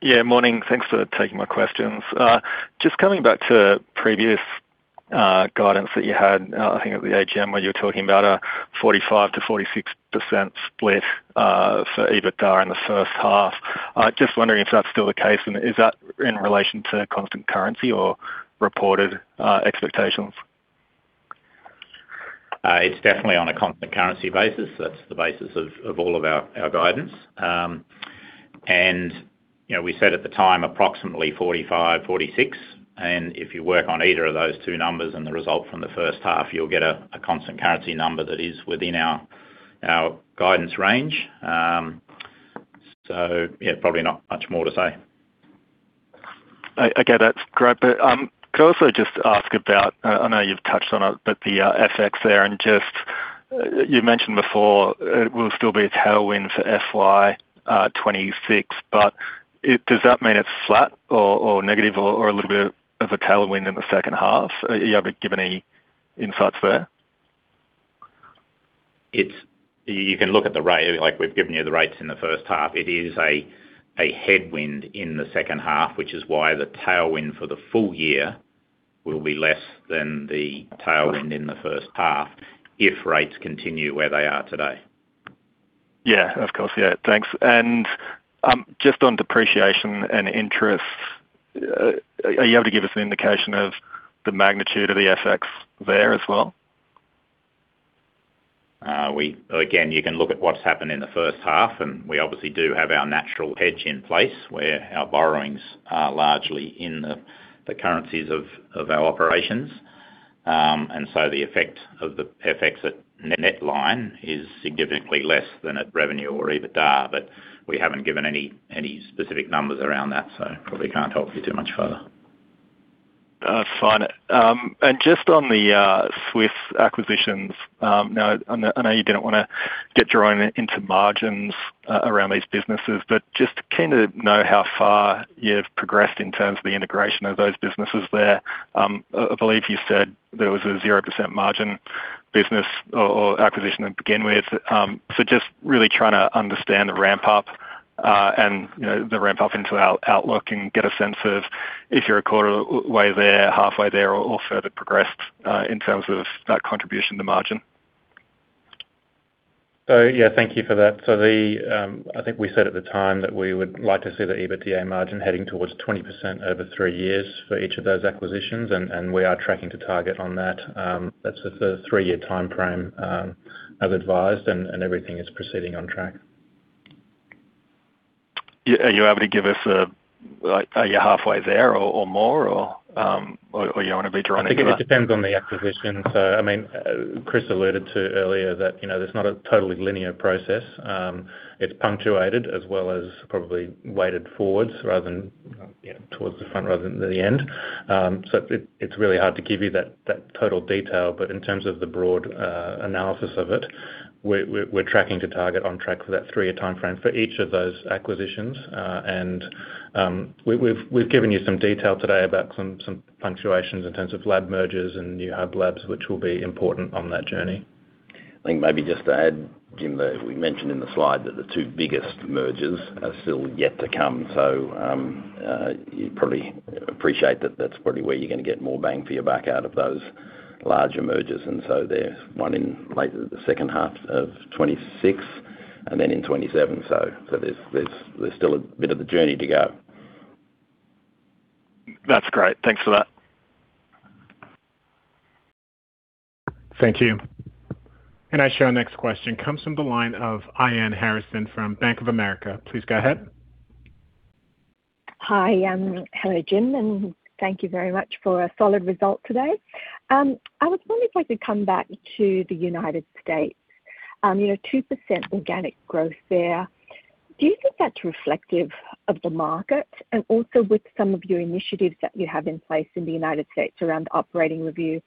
Yeah, morning. Thanks for taking my questions. Just coming back to previous guidance that you had, I think at the AGM, where you were talking about a 45%-46% split for EBITDA in the first half. Just wondering if that's still the case, and is that in relation to constant currency or reported expectations? It's definitely on a constant currency basis. That's the basis of all of our guidance. You know, we said at the time, approximately 45, 46, and if you work on either of those two numbers and the result from the first half, you'll get a constant currency number that is within our guidance range. So yeah, probably not much more to say. Okay, that's great. But, could I also just ask about, I know you've touched on it, but the, FX there, and just, you mentioned before, it will still be a tailwind for FY 2026. But it does that mean it's flat or, or negative or, or a little bit of a tailwind in the second half? Are you able to give any insights there? You can look at the rate, like we've given you the rates in the first half. It is a headwind in the second half, which is why the tailwind for the full year will be less than the tailwind in the first half, if rates continue where they are today. Yeah, of course. Yeah, thanks. And, just on depreciation and interest, are you able to give us an indication of the magnitude of the FX there as well? Again, you can look at what's happened in the first half, and we obviously do have our natural hedge in place, where our borrowings are largely in the currencies of our operations. And so the effect of the FX at net line is significantly less than at revenue or EBITDA, but we haven't given any specific numbers around that, so probably can't help you too much further. Fine. And just on the Swiss acquisitions, now I know you didn't wanna get drawn into margins around these businesses, but just keen to know how far you've progressed in terms of the integration of those businesses there. I believe you said there was a 0% margin business or acquisition to begin with. So just really trying to understand the ramp up, and, you know, the ramp up into our outlook and get a sense of if you're a quarter way there, halfway there or further progressed, in terms of that contribution to margin. So yeah, thank you for that. So the, I think we said at the time that we would like to see the EBITDA margin heading towards 20% over three years for each of those acquisitions, and, and we are tracking to target on that. That's the three-year timeframe, as advised, and, and everything is proceeding on track. Are you able to give us a... Like, are you halfway there or, or more, or, or you don't want to be drawing? I think it depends on the acquisition. So, I mean, Chris alluded to earlier that, you know, there's not a totally linear process. It's punctuated as well as probably weighted forwards rather than, you know, towards the front rather than the end. So it, it's really hard to give you that, that total detail, but in terms of the broad, analysis of it, we're, we're, we're tracking to target on track for that three-year timeframe for each of those acquisitions. And, we've, we've given you some detail today about some, some punctuations in terms of lab mergers and new hub labs, which will be important on that journey. I think maybe just to add, Jim, that we mentioned in the slide that the two biggest mergers are still yet to come. So, you probably appreciate that that's probably where you're gonna get more bang for your buck out of those larger mergers. And so there's one in Lucerne, the second half of 2026, and then in 2027. So there's still a bit of a journey to go. That's great. Thanks for that. Thank you. Our next question comes from the line of Ian Harrison from Bank of America. Please go ahead. Hi, hello, Jim, and thank you very much for a solid result today. I was wondering if I could come back to the United States. You know, 2% organic growth there. Do you think that's reflective of the market? And also, with some of your initiatives that you have in place in the United States around the operating review,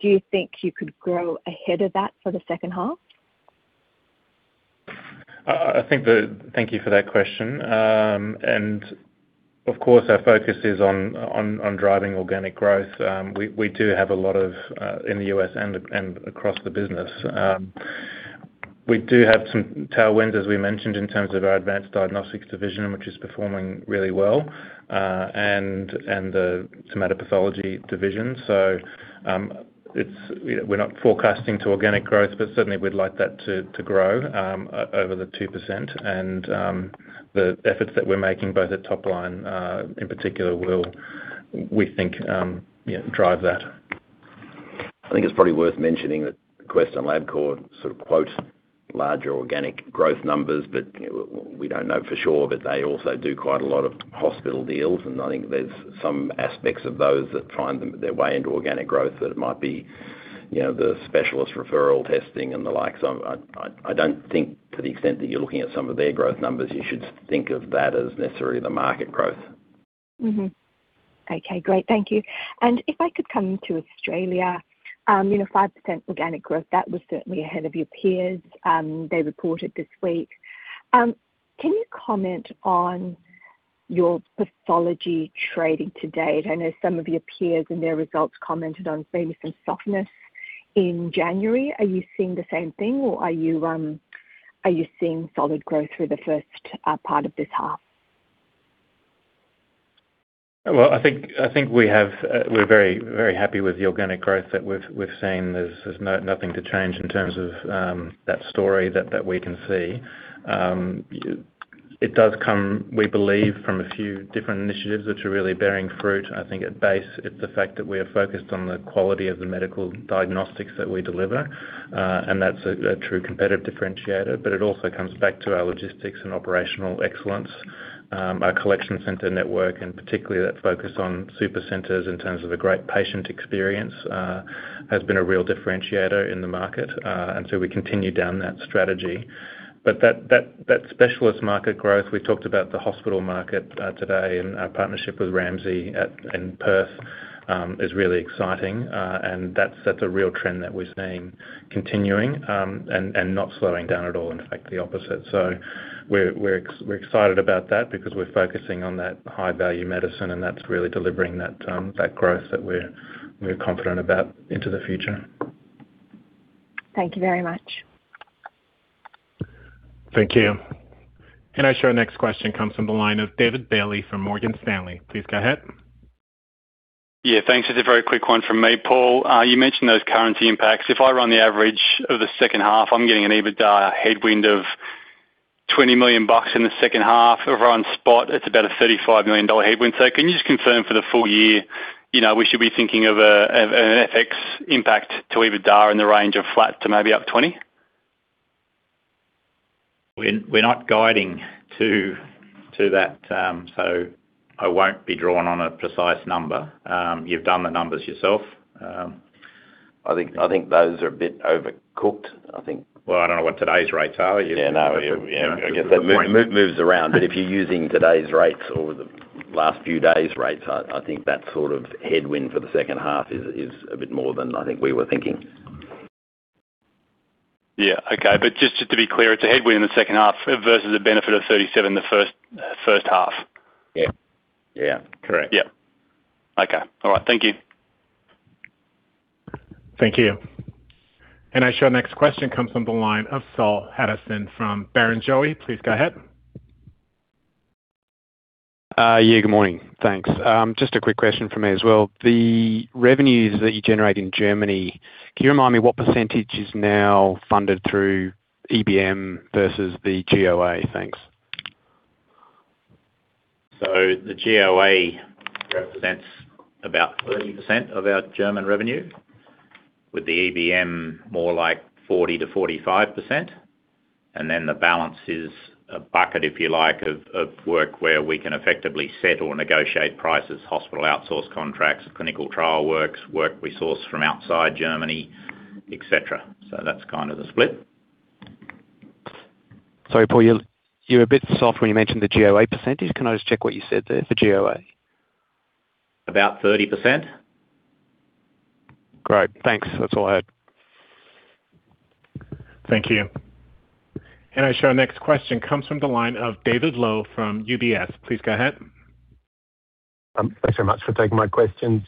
do you think you could grow ahead of that for the second half? Thank you for that question. And of course, our focus is on driving organic growth. We do have a lot of in the U.S. and across the business. We do have some tailwinds, as we mentioned, in terms of Advanced Diagnostics division, which is performing really well, and the somatic pathology division. So, it's... We're not forecasting to organic growth, but certainly we'd like that to grow over the 2%. And the efforts that we're making, both at top line, in particular, will, we think, drive that. I think it's probably worth mentioning that Quest and LabCorp sort of quote larger organic growth numbers, but, you know, we don't know for sure, but they also do quite a lot of hospital deals, and I think there's some aspects of those that find their way into organic growth, that it might be, you know, the specialist referral testing and the like. So I don't think to the extent that you're looking at some of their growth numbers, you should think of that as necessarily the market growth. Mm-hmm. Okay, great. Thank you. If I could come to Australia, you know, 5% organic growth, that was certainly ahead of your peers, they reported this week. Can you comment on your pathology trading to date? I know some of your peers and their results commented on maybe some softness in January. Are you seeing the same thing, or are you seeing solid growth through the first part of this half? Well, I think we have, we're very, very happy with the organic growth that we've seen. There's nothing to change in terms of that story that we can see. It does come, we believe, from a few different initiatives, which are really bearing fruit. I think at base, it's the fact that we are focused on the quality of the medical diagnostics that we deliver, and that's a true competitive differentiator, but it also comes back to our logistics and operational excellence. Our collection center network, and particularly that focus on super centers in terms of the great patient experience, has been a real differentiator in the market, and so we continue down that strategy. But that specialist market growth, we talked about the hospital market today, and our partnership with Ramsay at, in Perth is really exciting, and that's a real trend that we're seeing continuing, and not slowing down at all, in fact, the opposite. So we're excited about that because we're focusing on that high value medicine, and that's really delivering that growth that we're confident about into the future. Thank you very much. Thank you. I show our next question comes from the line of David Bailey from Morgan Stanley. Please go ahead. Yeah, thanks. It's a very quick one from me, Paul. You mentioned those currency impacts. If I run the average of the second half, I'm getting an EBITDA headwind of $20 million in the second half. If I run spot, it's about a $35 million headwind. So can you just confirm for the full year, you know, we should be thinking of a, of an FX impact to EBITDA in the range of flat to maybe up $20? We're not guiding to that, so I won't be drawn on a precise number. You've done the numbers yourself. I think those are a bit overcooked. I think- Well, I don't know what today's rates are. Yeah, no, yeah. I guess- It moves around, but if you're using today's rates or the last few days' rates, I think that sort of headwind for the second half is a bit more than I think we were thinking. Yeah. Okay. But just to be clear, it's a headwind in the second half versus a benefit of 37 the first half? Yeah. Yeah. Correct. Yeah. Okay. All right. Thank you. Thank you. I show our next question comes from the line of Saul Hadassin from Barrenjoey. Please go ahead. Yeah, good morning. Thanks. Just a quick question for me as well. The revenues that you generate in Germany, can you remind me what percentage is now funded through EBM versus the GOÄ? Thanks. So the GOÄ represents about 30% of our German revenue, with the EBM more like 40%-45%, and then the balance is a bucket, if you like, of work where we can effectively set or negotiate prices, hospital outsource contracts, clinical trial works, work we source from outside Germany, et cetera. So that's kind of the split. Sorry, Paul, you're a bit soft when you mentioned the GOÄ percentage. Can I just check what you said there for GOÄ? About 30%. Great, thanks. That's all I had. Thank you. And I show our next question comes from the line of David Lowe from UBS. Please go ahead. Thanks very much for taking my questions.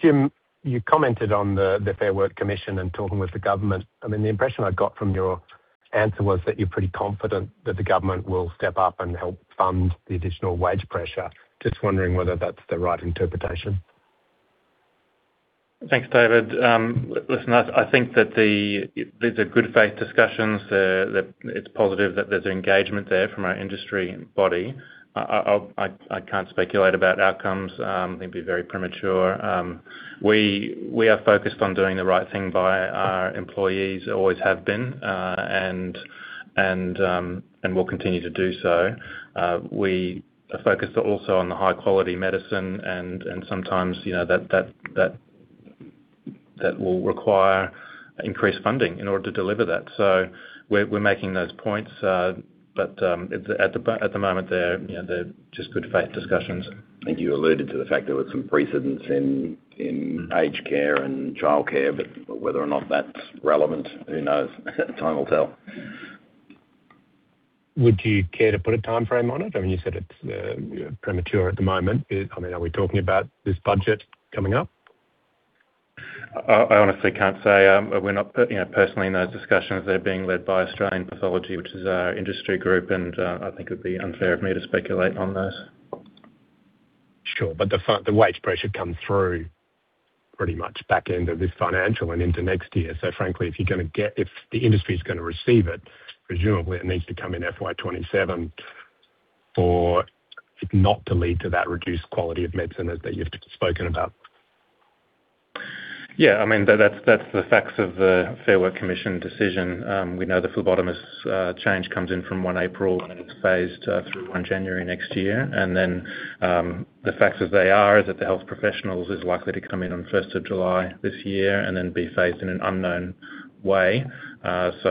Jim, you commented on the Fair Work Commission and talking with the government. I mean, the impression I got from your answer was that you're pretty confident that the government will step up and help fund the additional wage pressure. Just wondering whether that's the right interpretation? Thanks, David. Listen, I think that these are good faith discussions that it's positive that there's engagement there from our industry body. I'll, I can't speculate about outcomes. It'd be very premature. We are focused on doing the right thing by our employees, always have been, and will continue to do so. We are focused also on the high quality medicine and sometimes, you know, that will require increased funding in order to deliver that. So we're making those points, but at the moment, you know, they're just good faith discussions. I think you alluded to the fact there was some precedent in aged care and childcare, but whether or not that's relevant, who knows? Time will tell. Would you care to put a timeframe on it? I mean, you said it's premature at the moment. I mean, are we talking about this budget coming up? I honestly can't say. We're not, you know, personally in those discussions, they're being led by Australian Pathology, which is our industry group, and I think it would be unfair of me to speculate on those. Sure. But the wage pressure come through pretty much back end of this financial and into next year. So frankly, if you're gonna get... If the industry's gonna receive it, presumably it needs to come in FY 27 for it not to lead to that reduced quality of medicine as that you've just spoken about. Yeah. I mean, that's the facts of the Fair Work Commission decision. We know the phlebotomist change comes in from 1 April, and it's phased through 1 January next year. The facts as they are, is that the health professionals is likely to come in on 1 July this year and then be phased in an unknown way.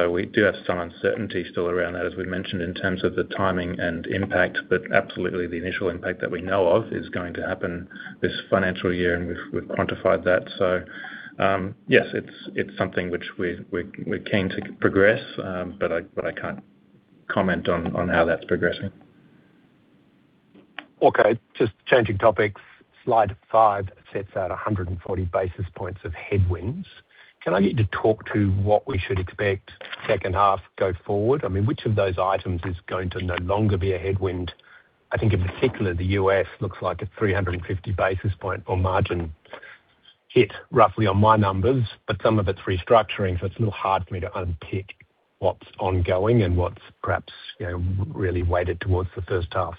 We do have some uncertainty still around that, as we've mentioned, in terms of the timing and impact, but absolutely the initial impact that we know of is going to happen this financial year, and we've quantified that. Yes, it's something which we, we're, we're keen to progress, but I can't comment on how that's progressing. Okay. Just changing topics, slide five sets out 140 basis points of headwinds. Can I get you to talk to what we should expect second half go forward? I mean, which of those items is going to no longer be a headwind? I think in particular, the U.S. looks like a 350 basis point or margin hit, roughly on my numbers, but some of it's restructuring, so it's a little hard for me to unpick what's ongoing and what's perhaps, you know, really weighted towards the first half....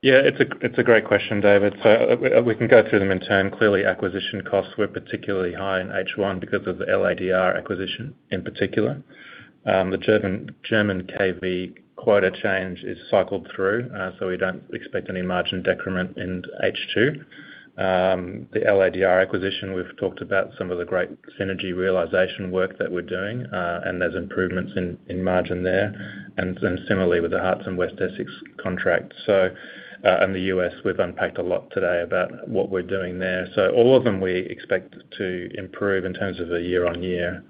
Yeah, it's a great question, David. So, we can go through them in turn. Clearly, acquisition costs were particularly high in H1 because of the LADR acquisition, in particular. The German KV quota change is cycled through, so we don't expect any margin decrement in H2. The LADR acquisition, we've talked about some of the great synergy realization work that we're doing, and there's improvements in margin there, and then similarly with the Hertfordshire and West Essex contract. So, in the U.S., we've unpacked a lot today about what we're doing there. So all of them we expect to improve in terms of the year-on-year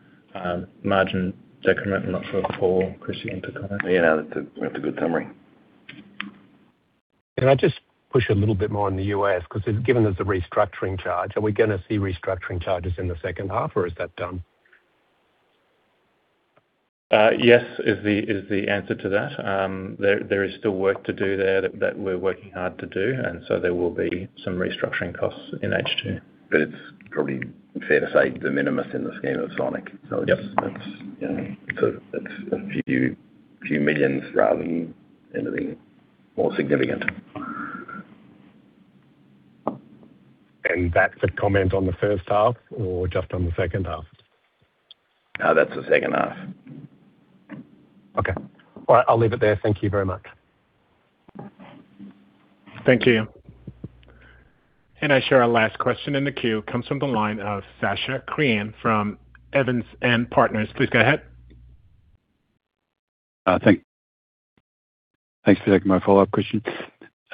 margin decrement, and not sort of all. Chris, you want to comment? Yeah, that's a, that's a good summary. Can I just push a little bit more on the U.S.? 'Cause given there's a restructuring charge, are we gonna see restructuring charges in the second half, or is that done? Yes, is the answer to that. There is still work to do there that we're working hard to do, and so there will be some restructuring costs in H2. But it's probably fair to say de minimis in the scheme of Sonic. Yep. You know, so it's a few millions rather than anything more significant. That's a comment on the first half or just on the second half? That's the second half. Okay. All right, I'll leave it there. Thank you very much. Thank you. And I share our last question in the queue, comes from the line of Sacha Krien from Evans and Partners. Please go ahead. Thanks for taking my follow-up question.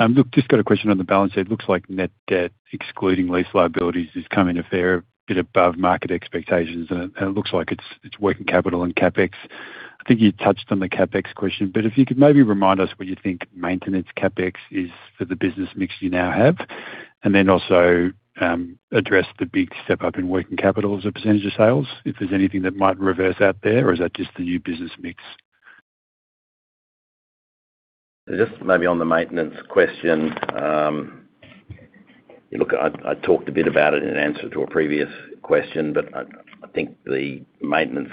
Look, just got a question on the balance sheet. It looks like net debt, excluding lease liabilities, is coming a fair bit above market expectations, and it looks like it's working capital and CapEx. I think you touched on the CapEx question, but if you could maybe remind us what you think maintenance CapEx is for the business mix you now have? And then also, address the big step-up in working capital as a percentage of sales, if there's anything that might reverse out there, or is that just the new business mix? Just maybe on the maintenance question, look, I talked a bit about it in answer to a previous question, but I think the maintenance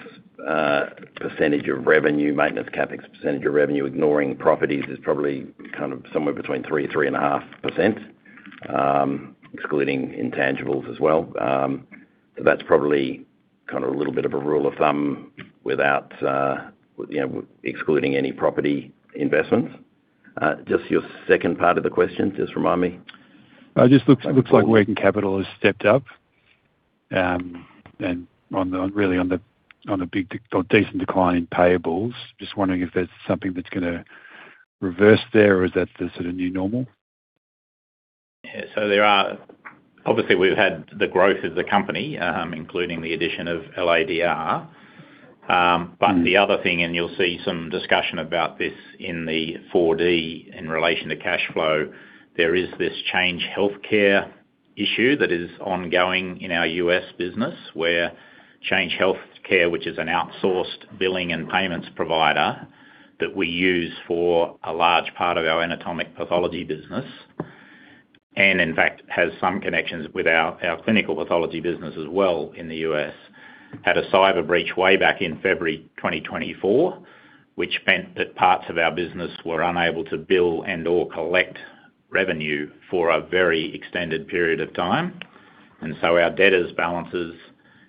percentage of revenue, maintenance CapEx percentage of revenue, ignoring properties, is probably kind of somewhere between 3%-3.5%, excluding intangibles as well. That's probably kind of a little bit of a rule of thumb without, you know, excluding any property investments. Just your second part of the question, just remind me? Just looks like working capital has stepped up, and really on the big decent decline in payables. Just wondering if there's something that's gonna reverse there, or is that the sort of new normal? Yeah. So there are obviously, we've had the growth of the company, including the addition of LADR. But the other thing, and you'll see some discussion about this in the 4D in relation to cash flow, there is this Change Healthcare issue that is ongoing in our U.S. business, where Change Healthcare, which is an outsourced billing and payments provider that we use for a large part of our anatomical pathology business, and in fact, has some connections with our, our clinical pathology business as well in the U.S. Had a cyber breach way back in February 2024, which meant that parts of our business were unable to bill and or collect revenue for a very extended period of time, and so our debtors' balances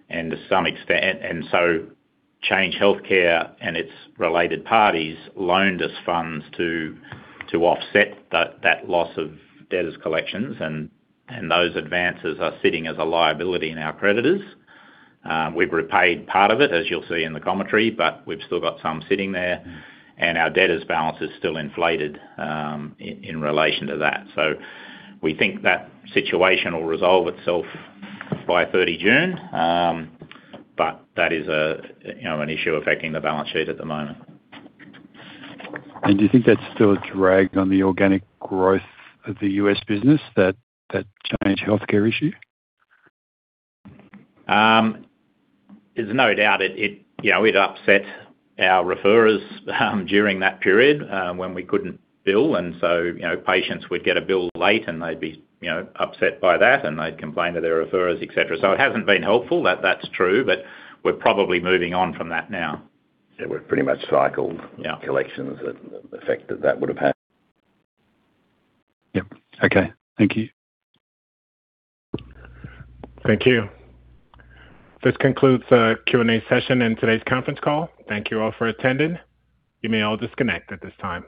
and to some extent, and so Change Healthcare and its related parties loaned us funds to offset that loss of debtors collections, and those advances are sitting as a liability in our creditors. We've repaid part of it, as you'll see in the commentary, but we've still got some sitting there, and our debtors' balance is still inflated, in relation to that. So we think that situation will resolve itself by 30 June, but that is a, you know, an issue affecting the balance sheet at the moment. Do you think that's still a drag on the organic growth of the U.S. business, that Change Healthcare issue? There's no doubt it, you know, it upset our referrers during that period when we couldn't bill, and so, you know, patients would get a bill late, and they'd be, you know, upset by that, and they'd complain to their referrers, et cetera. So it hasn't been helpful, that's true, but we're probably moving on from that now. Yeah, we're pretty much cycled- Yeah collections, the effect that that would've had. Yep. Okay. Thank you. Thank you. This concludes the Q&A session in today's conference call. Thank you all for attending. You may all disconnect at this time.